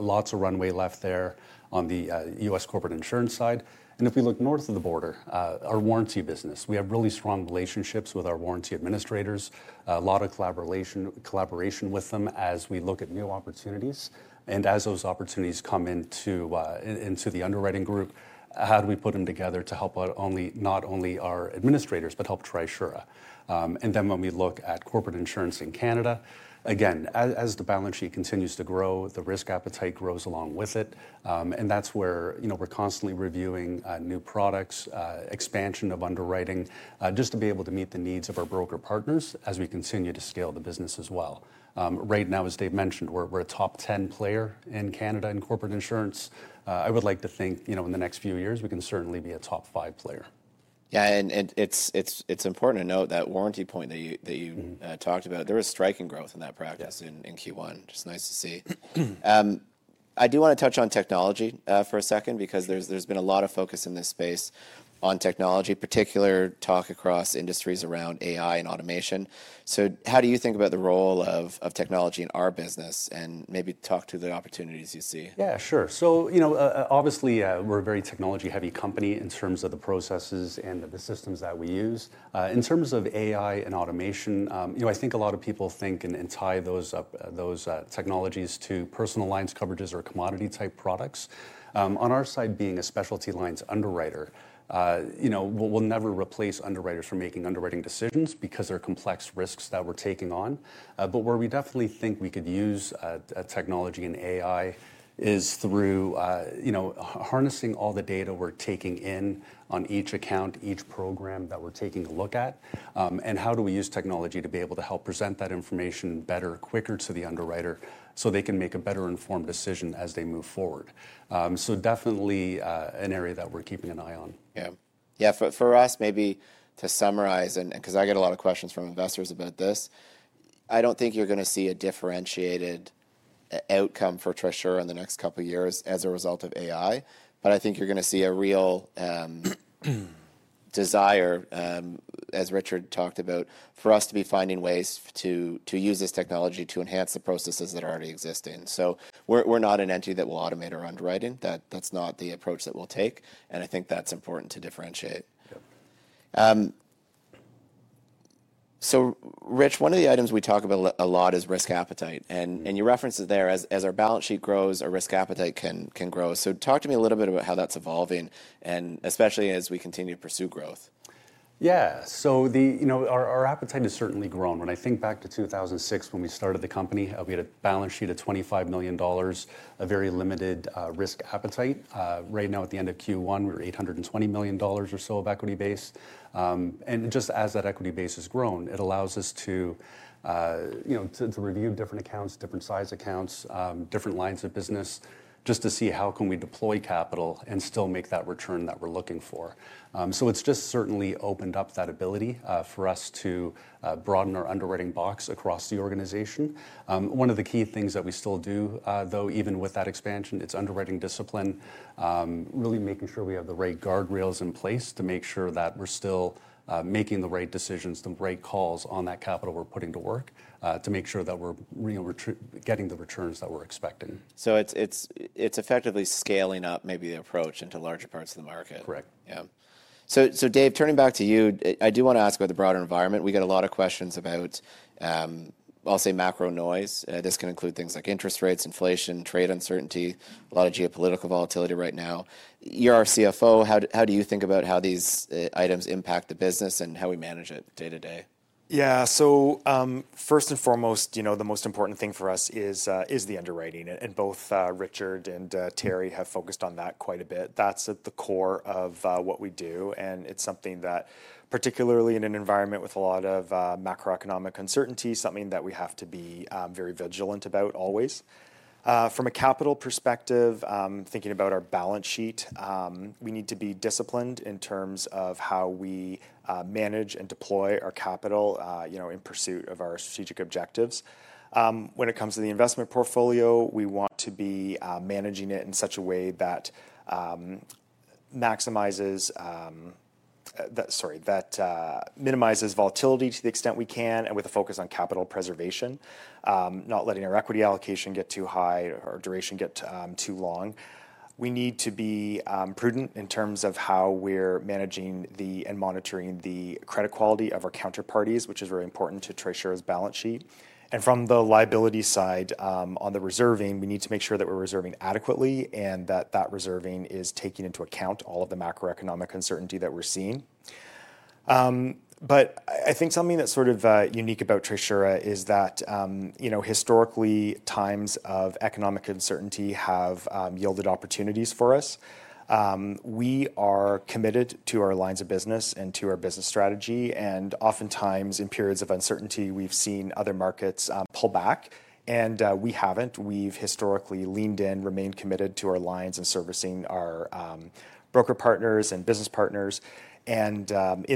Speaker 3: Lots of runway left there on the U.S. Corporate Insurance side. If we look north of the border, our Warranty business, we have really strong relationships with our Warranty administrators, a lot of collaboration with them as we look at new opportunities. As those opportunities come into the underwriting group, how do we put them together to help not only our administrators, but help Trisura? When we look at Corporate Insurance in Canada, again, as the balance sheet continues to grow, the risk appetite grows along with it. That is where we are constantly reviewing new products, expansion of underwriting, just to be able to meet the needs of our broker partners as we continue to scale the business as well. Right now, as Dave mentioned, we are a top 10 player in Canada in Corporate Insurance. I would like to think in the next few years, we can certainly be a top five player.
Speaker 1: It is important to note that Warranty point that you talked about, there was striking growth in that practice in Q1. Just nice to see. I do want to touch on technology for a second because there has been a lot of focus in this space on technology, particular talk across industries around AI and automation. How do you think about the role of technology in our business and maybe talk to the opportunities you see?
Speaker 3: Yeah, sure. Obviously, we're a very technology-heavy company in terms of the processes and the systems that we use. In terms of AI and automation, I think a lot of people think and tie those technologies to personal lines coverages or commodity-type products. On our side, being a specialty lines underwriter, we'll never replace underwriters for making underwriting decisions because there are complex risks that we're taking on. Where we definitely think we could use technology and AI is through harnessing all the data we're taking in on each account, each program that we're taking a look at, and how do we use technology to be able to help present that information better, quicker to the underwriter so they can make a better informed decision as they move forward. Definitely an area that we're keeping an eye on.
Speaker 1: Yeah. Yeah. For us, maybe to summarize, and because I get a lot of questions from investors about this, I do not think you are going to see a differentiated outcome for Trisura in the next couple of years as a result of AI. I think you are going to see a real desire, as Richard talked about, for us to be finding ways to use this technology to enhance the processes that are already existing. We are not an entity that will automate our underwriting. That is not the approach that we will take. I think that is important to differentiate. Rich, one of the items we talk about a lot is risk appetite. You referenced it there. As our balance sheet grows, our risk appetite can grow. Talk to me a little bit about how that is evolving, especially as we continue to pursue growth.
Speaker 3: Yeah. Our appetite has certainly grown. When I think back to 2006, when we started the company, we had a balance sheet of 25 million dollars, a very limited risk appetite. Right now, at the end of Q1, we were 820 million dollars or so of equity base. Just as that equity base has grown, it allows us to review different accounts, different size accounts, different lines of business, just to see how can we deploy capital and still make that return that we're looking for. It has certainly opened up that ability for us to broaden our underwriting box across the organization. One of the key things that we still do, though, even with that expansion, is underwriting discipline, really making sure we have the right guardrails in place to make sure that we are still making the right decisions, the right calls on that capital we are putting to work to make sure that we are getting the returns that we are expecting.
Speaker 1: It is effectively scaling up maybe the approach into larger parts of the market.
Speaker 3: Correct.
Speaker 1: Yeah. Dave, turning back to you, I do want to ask about the broader environment. We get a lot of questions about, I will say, macro noise. This can include things like interest rates, inflation, trade uncertainty, a lot of geopolitical volatility right now. You are our CFO. How do you think about how these items impact the business and how we manage it day to day?
Speaker 2: Yeah. First and foremost, the most important thing for us is the underwriting. Both Richard and Terry have focused on that quite a bit. That is at the core of what we do. It is something that, particularly in an environment with a lot of macroeconomic uncertainty, we have to be very vigilant about always. From a capital perspective, thinking about our balance sheet, we need to be disciplined in terms of how we manage and deploy our capital in pursuit of our strategic objectives. When it comes to the investment portfolio, we want to be managing it in such a way that maximizes, sorry, that minimizes volatility to the extent we can and with a focus on capital preservation, not letting our equity allocation get too high or our duration get too long. We need to be prudent in terms of how we're managing and monitoring the credit quality of our counterparties, which is very important to Trisura's balance sheet. From the liability side on the reserving, we need to make sure that we're reserving adequately and that that reserving is taking into account all of the macroeconomic uncertainty that we're seeing. I think something that's sort of unique about Trisura is that historically, times of economic uncertainty have yielded opportunities for us. We are committed to our lines of business and to our business strategy. Oftentimes, in periods of uncertainty, we've seen other markets pull back. We haven't. We've historically leaned in, remained committed to our lines and servicing our broker partners and business partners. In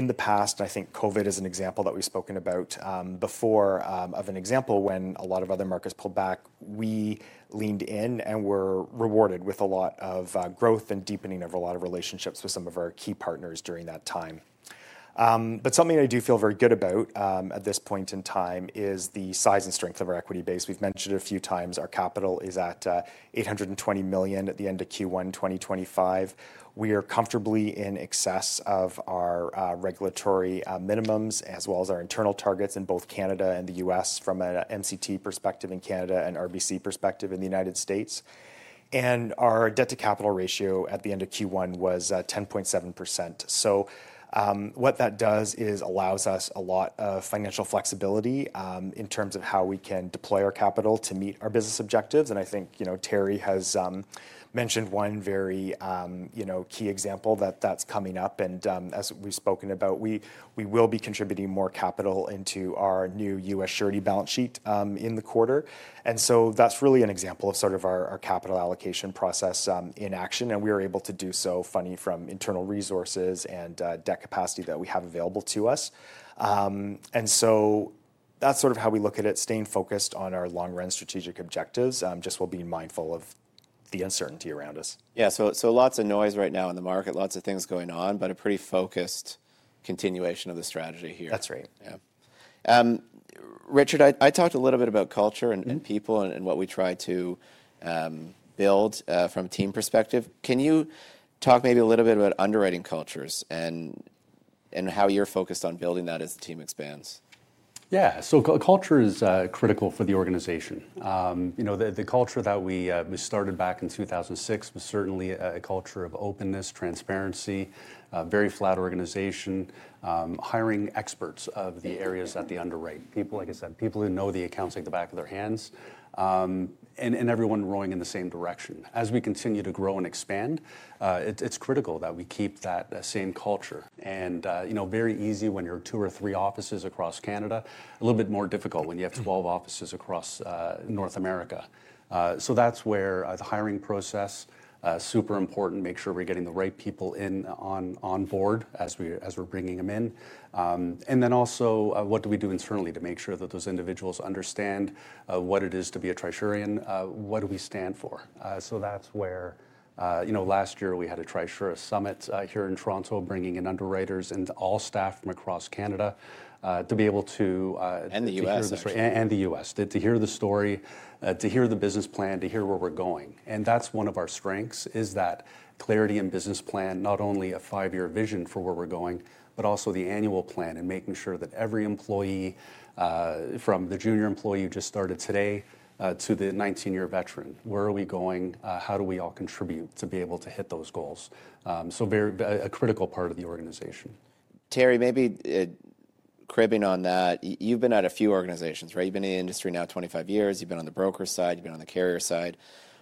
Speaker 2: the past, and I think COVID is an example that we've spoken about before, of an example when a lot of other markets pulled back, we leaned in and were rewarded with a lot of growth and deepening of a lot of relationships with some of our key partners during that time. Something I do feel very good about at this point in time is the size and strength of our equity base. We've mentioned it a few times. Our capital is at 820 million at the end of Q1 2025. We are comfortably in excess of our regulatory minimums as well as our internal targets in both Canada and the U.S. from an MCT perspective in Canada and RBC perspective in the United States. Our debt to capital ratio at the end of Q1 was 10.7%. What that does is allows us a lot of financial flexibility in terms of how we can deploy our capital to meet our business objectives. I think Terry has mentioned one very key example that is coming up. As we have spoken about, we will be contributing more capital into our new U.S. Surety balance sheet in the quarter. That is really an example of our capital allocation process in action. We are able to do so, funding from internal resources and debt capacity that we have available to us. That is how we look at it, staying focused on our long-run strategic objectives, just while being mindful of the uncertainty around us.
Speaker 1: Yeah. Lots of noise right now in the market, lots of things going on, but a pretty focused continuation of the strategy here.
Speaker 2: That is right. Yeah.
Speaker 1: Richard, I talked a little bit about culture and people and what we try to build from a team perspective. Can you talk maybe a little bit about underwriting cultures and how you're focused on building that as the team expands?
Speaker 3: Yeah. Culture is critical for the organization. The culture that we started back in 2006 was certainly a culture of openness, transparency, very flat organization, hiring experts of the areas at the underwriting, people, like I said, people who know the accounts like the back of their hands and everyone rowing in the same direction. As we continue to grow and expand, it's critical that we keep that same culture. It is very easy when you're two or three offices across Canada, a little bit more difficult when you have 12 offices across North America. That is where the hiring process is super important, making sure we are getting the right people on board as we are bringing them in. Also, what do we do internally to make sure that those individuals understand what it is to be a Trisurian? What do we stand for? That is where last year we had a Trisura summit here in Toronto, bringing in underwriters and all staff from across Canada to be able to—
Speaker 1: And the U.S.
Speaker 3: Sorry, and the U.S., to hear the story, to hear the business plan, to hear where we are going. One of our strengths is that clarity in business plan, not only a five-year vision for where we are going, but also the annual plan and making sure that every employee from the junior employee who just started today to the 19-year veteran knows where we are going. How do we all contribute to be able to hit those goals? A critical part of the organization.
Speaker 1: Terry, maybe cribbing on that, you've been at a few organizations, right? You've been in the industry now 25 years. You've been on the broker side. You've been on the carrier side,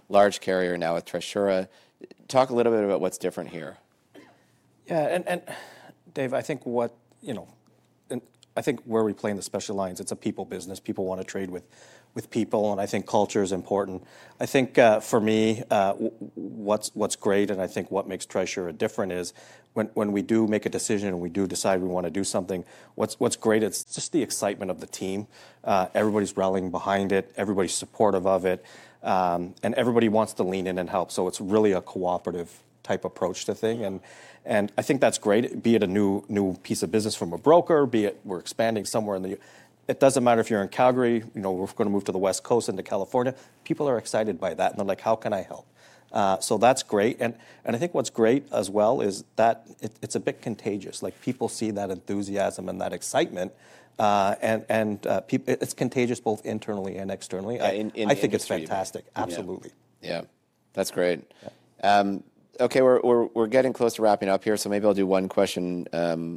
Speaker 1: large carrier now with Trisura. Talk a little bit about what's different here.
Speaker 4: Yeah. And Dave, I think what I think where we play in the special lines, it's a people business. People want to trade with people. I think culture is important. I think for me, what's great and I think what makes Trisura different is when we do make a decision and we do decide we want to do something, what's great is just the excitement of the team. Everybody's rallying behind it. Everybody's supportive of it. Everybody wants to lean in and help. It's really a cooperative type approach to things. I think that's great, be it a new piece of business from a broker, be it we're expanding somewhere in the—it doesn't matter if you're in Calgary, we're going to move to the West Coast, into California. People are excited by that. They're like, "How can I help?" That's great. I think what's great as well is that it's a bit contagious. People see that enthusiasm and that excitement, and it's contagious both internally and externally. I think it's fantastic. Absolutely.
Speaker 1: Yeah. That's great. Okay. We're getting close to wrapping up here. Maybe I'll do one question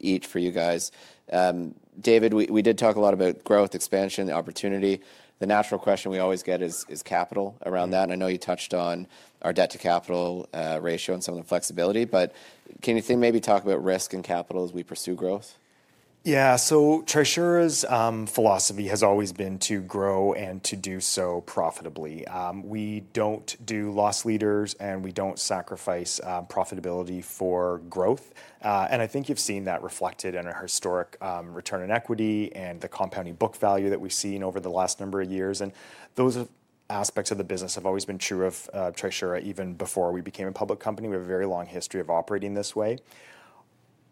Speaker 1: each for you guys. David, we did talk a lot about growth, expansion, opportunity. The natural question we always get is capital around that. I know you touched on our debt to capital ratio and some of the flexibility. Can you maybe talk about risk and capital as we pursue growth?
Speaker 2: Yeah. Trisura's philosophy has always been to grow and to do so profitably. We do not do loss leaders and we do not sacrifice profitability for growth. I think you have seen that reflected in our historic return on equity and the compounding book value that we have seen over the last number of years. Those aspects of the business have always been true of Trisura even before we became a public company. We have a very long history of operating this way.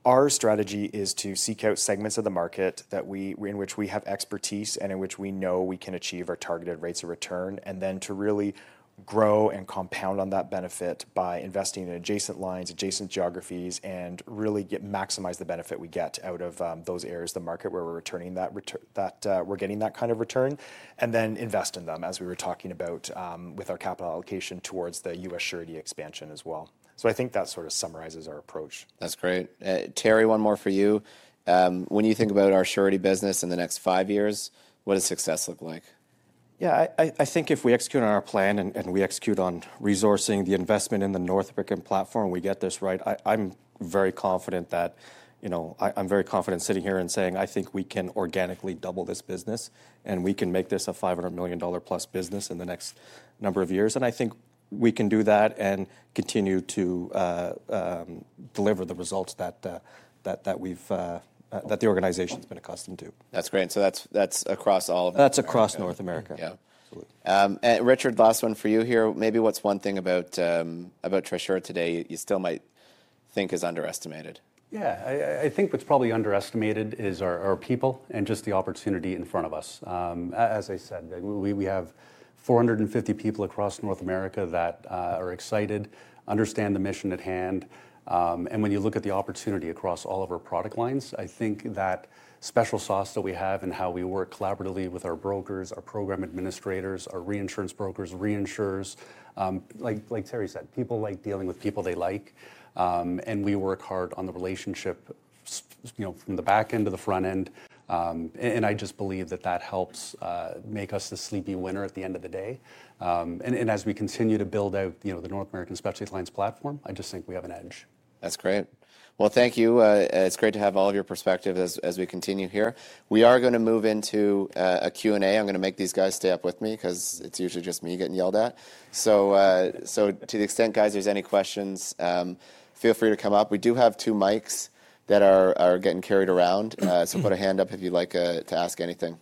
Speaker 2: Our strategy is to seek out segments of the market in which we have expertise and in which we know we can achieve our targeted rates of return, and then to really grow and compound on that benefit by investing in adjacent lines, adjacent geographies, and really maximize the benefit we get out of those areas of the market where we're returning that we're getting that kind of return, and then invest in them, as we were talking about with our capital allocation towards the U.S. Surety expansion as well. I think that sort of summarizes our approach.
Speaker 1: That's great. Terry, one more for you. When you think about our Surety business in the next five years, what does success look like?
Speaker 4: Yeah. I think if we execute on our plan and we execute on resourcing the investment in the North American platform, we get this right, I'm very confident that I'm very confident sitting here and saying, "I think we can organically double this business and we can make this a 500 million dollar+ business in the next number of years." I think we can do that and continue to deliver the results that we've that the organization has been accustomed to.
Speaker 1: That's great. That's across all of—
Speaker 4: That's across North America.
Speaker 1: Yeah. Richard, last one for you here. Maybe what's one thing about Trisura today you still might think is underestimated?
Speaker 3: Yeah. I think what's probably underestimated is our people and just the opportunity in front of us. As I said, we have 450 people across North America that are excited, understand the mission at hand. When you look at the opportunity across all of our product lines, I think that special sauce that we have and how we work collaboratively with our brokers, our program administrators, our reinsurance brokers, reinsurers, like Terry said, people like dealing with people they like. We work hard on the relationship from the back end to the front end. I just believe that helps make us the sleepy winner at the end of the day. As we continue to build out the North American Specialty Lines platform, I just think we have an edge.
Speaker 1: That is great. Thank you. It is great to have all of your perspectives as we continue here. We are going to move into a Q&A. I am going to make these guys stay up with me because it is usually just me getting yelled at. To the extent, guys, there's any questions, feel free to come up. We do have two mics that are getting carried around. Put a hand up if you'd like to ask anything.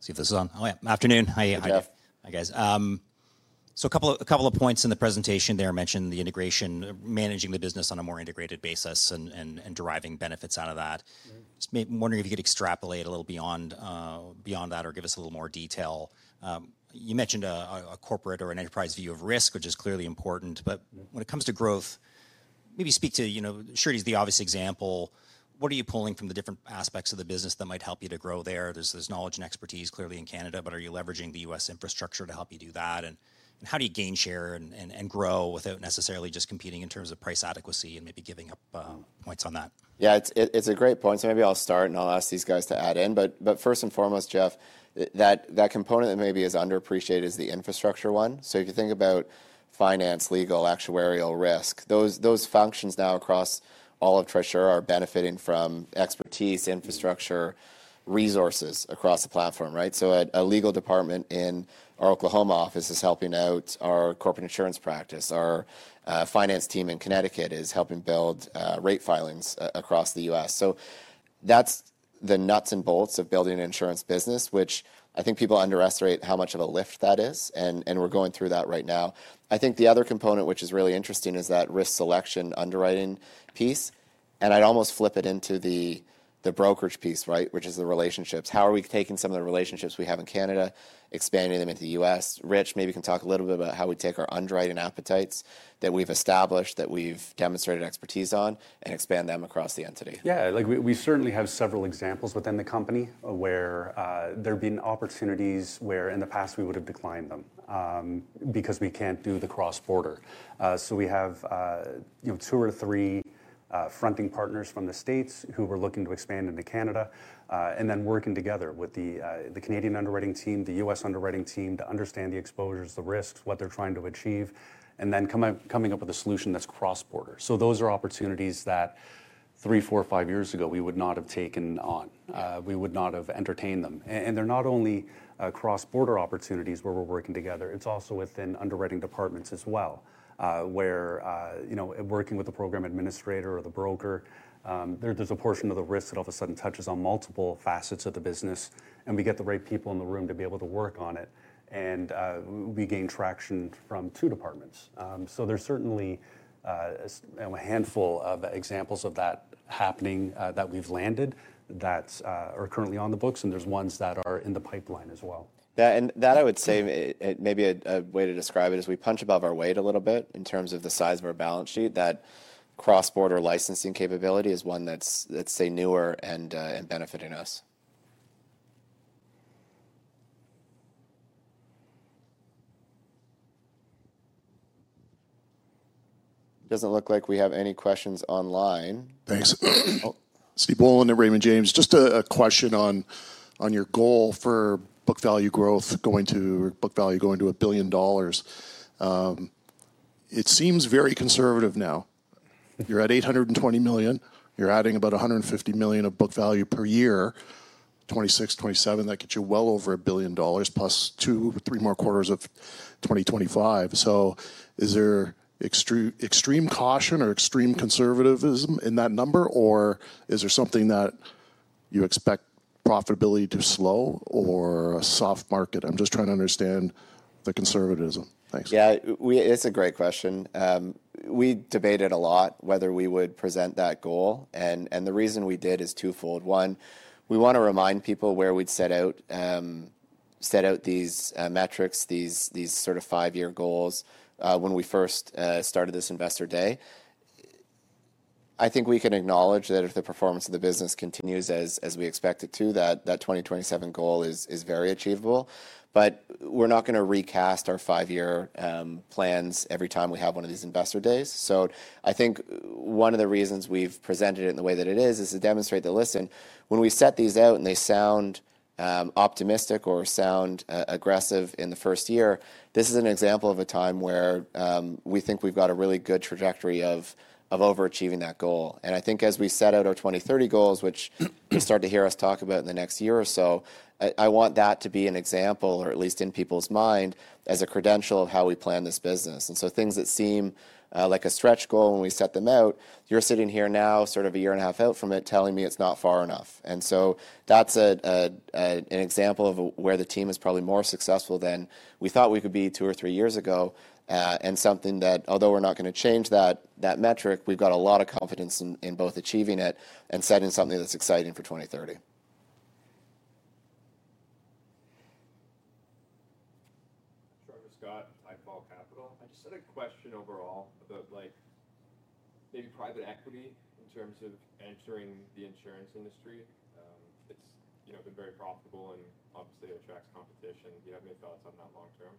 Speaker 5: See if this is on. Oh, yeah. Afternoon. Hi.
Speaker 1: Hi, Jeff.
Speaker 5: Hi, guys. A couple of points in the presentation there mentioned the integration, managing the business on a more integrated basis and deriving benefits out of that. Just wondering if you could extrapolate a little beyond that or give us a little more detail. You mentioned a corporate or an enterprise view of risk, which is clearly important. When it comes to growth, maybe speak to Surety is the obvious example. What are you pulling from the different aspects of the business that might help you to grow there? There's knowledge and expertise clearly in Canada, but are you leveraging the U.S. infrastructure to help you do that? And how do you gain share and grow without necessarily just competing in terms of price adequacy and maybe giving up points on that?
Speaker 1: Yeah. It's a great point. Maybe I'll start and I'll ask these guys to add in. First and foremost, Jeff, that component that maybe is underappreciated is the infrastructure one. If you think about finance, legal, actuarial risk, those functions now across all of Trisura are benefiting from expertise, infrastructure, resources across the platform, right? A legal department in our Oklahoma office is helping out our Corporate Insurance practice. Our finance team in Connecticut is helping build rate filings across the U.S. That's the nuts and bolts of building an insurance business, which I think people underestimate how much of a lift that is. We're going through that right now. I think the other component, which is really interesting, is that risk selection underwriting piece. I'd almost flip it into the brokerage piece, right, which is the relationships. How are we taking some of the relationships we have in Canada, expanding them into the U.S.? Rich, maybe you can talk a little bit about how we take our underwriting appetites that we've established, that we've demonstrated expertise on, and expand them across the entity.
Speaker 3: Yeah. We certainly have several examples within the company where there have been opportunities where in the past we would have declined them because we can't do the cross-border. We have two or three fronting partners from the States who were looking to expand into Canada and then working together with the Canadian underwriting team, the U.S. Underwriting team to understand the exposures, the risks, what they're trying to achieve, and then coming up with a solution that's cross-border. Those are opportunities that three, four, five years ago we would not have taken on. We would not have entertained them. They're not only cross-border opportunities where we're working together. It's also within underwriting departments as well, where working with the program administrator or the broker, there's a portion of the risk that all of a sudden touches on multiple facets of the business. We get the right people in the room to be able to work on it. We gain traction from two departments. There's certainly a handful of examples of that happening that we've landed that are currently on the books. There are ones that are in the pipeline as well.
Speaker 1: Yeah. I would say maybe a way to describe it is we punch above our weight a little bit in terms of the size of our balance sheet. That cross-border licensing capability is one that is, let's say, newer and benefiting us. It does not look like we have any questions online.
Speaker 6: Thanks. Stephen Boland, Raymond James, just a question on your goal for book value growth, going to book value going to 1 billion dollars. It seems very conservative now. You are at 820 million. You are adding about 150 million of book value per year, 2026-2027. That gets you well over 1 billion dollars plus two, three more quarters of 2025. Is there extreme caution or extreme conservatism in that number, or is there something that you expect profitability to slow or a soft market? I am just trying to understand the conservatism. Thanks.
Speaker 1: Yeah. It is a great question. We debated a lot whether we would present that goal. The reason we did is twofold. One, we want to remind people where we had set out these metrics, these sort of five-year goals when we first started this investor day. I think we can acknowledge that if the performance of the business continues as we expect it to, that 2027 goal is very achievable. We are not going to recast our five-year plans every time we have one of these investor days. I think one of the reasons we have presented it in the way that it is is to demonstrate that, listen, when we set these out and they sound optimistic or sound aggressive in the first year, this is an example of a time where we think we have got a really good trajectory of overachieving that goal. I think as we set out our 2030 goals, which you'll start to hear us talk about in the next year or so, I want that to be an example, or at least in people's mind, as a credential of how we plan this business. Things that seem like a stretch goal when we set them out, you're sitting here now sort of a year and a half out from it telling me it's not far enough. That's an example of where the team is probably more successful than we thought we could be two or three years ago and something that, although we're not going to change that metric, we've got a lot of confidence in both achieving it and setting something that's exciting for 2030.
Speaker 7: (crosstalk) I just had a question overall about maybe private equity in terms of entering the insurance industry. It's been very profitable and obviously attracts competition. Do you have any thoughts on that long term?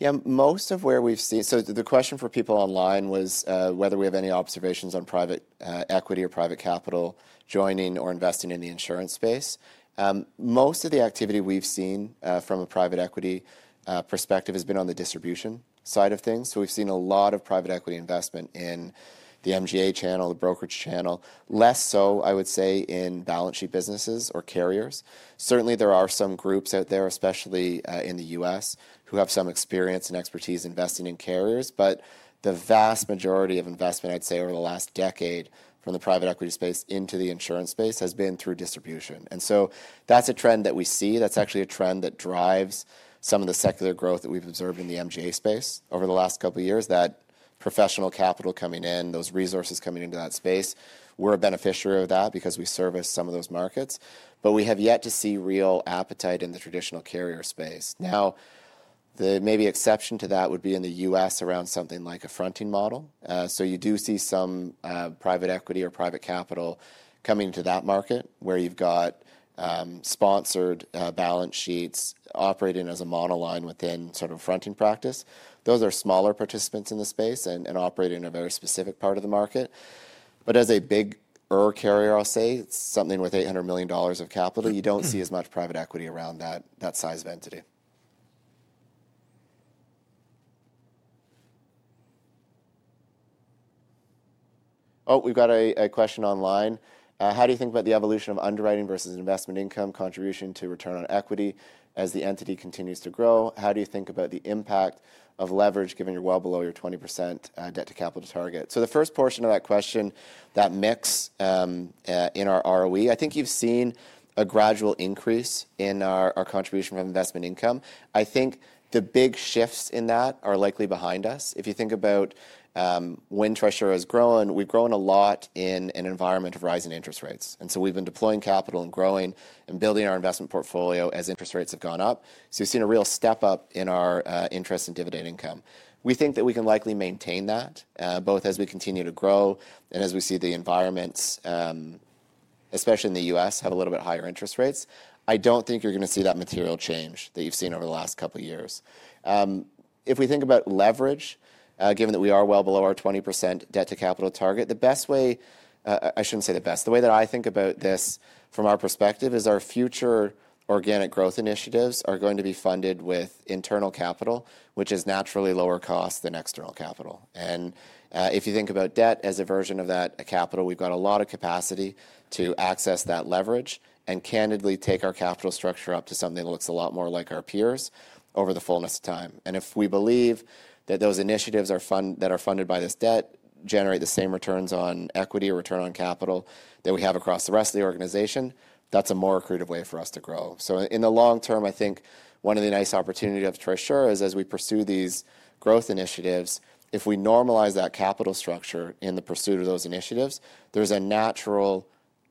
Speaker 1: Yeah. Most of where we've seen, so the question for people online was whether we have any observations on private equity or private capital joining or investing in the insurance space. Most of the activity we've seen from a private equity perspective has been on the distribution side of things. We've seen a lot of private equity investment in the MGA channel, the brokerage channel, less so, I would say, in balance sheet businesses or carriers. Certainly, there are some groups out there, especially in the U.S., who have some experience and expertise investing in carriers. The vast majority of investment, I'd say, over the last decade from the private equity space into the insurance space has been through distribution. That is a trend that we see. That is actually a trend that drives some of the secular growth that we've observed in the MGA space over the last couple of years, that professional capital coming in, those resources coming into that space. We're a beneficiary of that because we service some of those markets. We have yet to see real appetite in the traditional carrier space. The maybe exception to that would be in the U.S. around something like a fronting model. You do see some private equity or private capital coming to that market where you've got sponsored balance sheets operating as a model line within sort of a fronting practice. Those are smaller participants in the space and operating in a very specific part of the market. As a big carrier, I'll say, something with 800 million dollars of capital, you do not see as much private equity around that size of entity. Oh, we've got a question online. How do you think about the evolution of underwriting versus investment income contribution to return on equity as the entity continues to grow? How do you think about the impact of leverage given you are well below your 20% debt to capital target? The first portion of that question, that mix in our ROE, I think you have seen a gradual increase in our contribution from investment income. I think the big shifts in that are likely behind us. If you think about when Trisura has grown, we have grown a lot in an environment of rising interest rates. We have been deploying capital and growing and building our investment portfolio as interest rates have gone up. We have seen a real step up in our interest and dividend income. We think that we can likely maintain that both as we continue to grow and as we see the environments, especially in the U.S., have a little bit higher interest rates. I do not think you are going to see that material change that you have seen over the last couple of years. If we think about leverage, given that we are well below our 20% debt to capital target, the way that I think about this from our perspective is our future organic growth initiatives are going to be funded with internal capital, which is naturally lower cost than external capital. If you think about debt as a version of that capital, we've got a lot of capacity to access that leverage and candidly take our capital structure up to something that looks a lot more like our peers over the fullness of time. If we believe that those initiatives that are funded by this debt generate the same returns on equity or return on capital that we have across the rest of the organization, that's a more accretive way for us to grow. In the long term, I think one of the nice opportunities of Trisura is as we pursue these growth initiatives, if we normalize that capital structure in the pursuit of those initiatives, there's a natural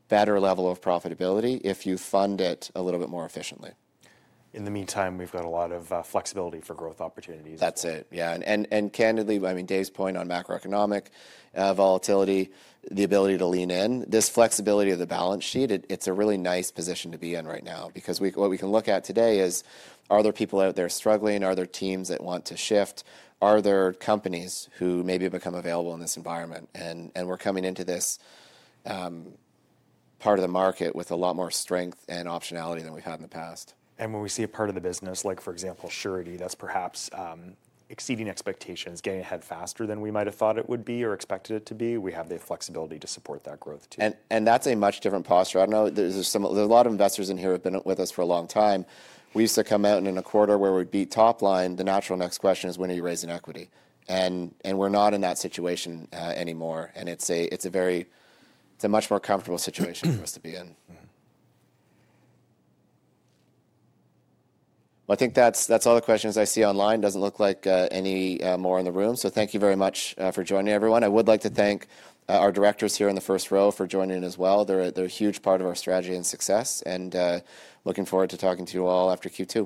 Speaker 1: better level of profitability if you fund it a little bit more efficiently.
Speaker 2: In the meantime, we've got a lot of flexibility for growth opportunities.
Speaker 1: That's it. Yeah. Candidly, I mean, Dave's point on macroeconomic volatility, the ability to lean in, this flexibility of the balance sheet, it's a really nice position to be in right now because what we can look at today is, are there people out there struggling? Are there teams that want to shift? Are there companies who maybe become available in this environment? We're coming into this part of the market with a lot more strength and optionality than we've had in the past.
Speaker 2: When we see a part of the business, like for example, Surety, that's perhaps exceeding expectations, getting ahead faster than we might have thought it would be or expected it to be, we have the flexibility to support that growth too.
Speaker 1: That's a much different posture. I don't know. There's a lot of investors in here who have been with us for a long time. We used to come out in a quarter where we beat top line. The natural next question is, when are you raising equity? We are not in that situation anymore. It is a much more comfortable situation for us to be in. I think that is all the questions I see online. It does not look like any more in the room. Thank you very much for joining, everyone. I would like to thank our directors here in the first row for joining as well. They are a huge part of our strategy and success. I am looking forward to talking to you all after Q2.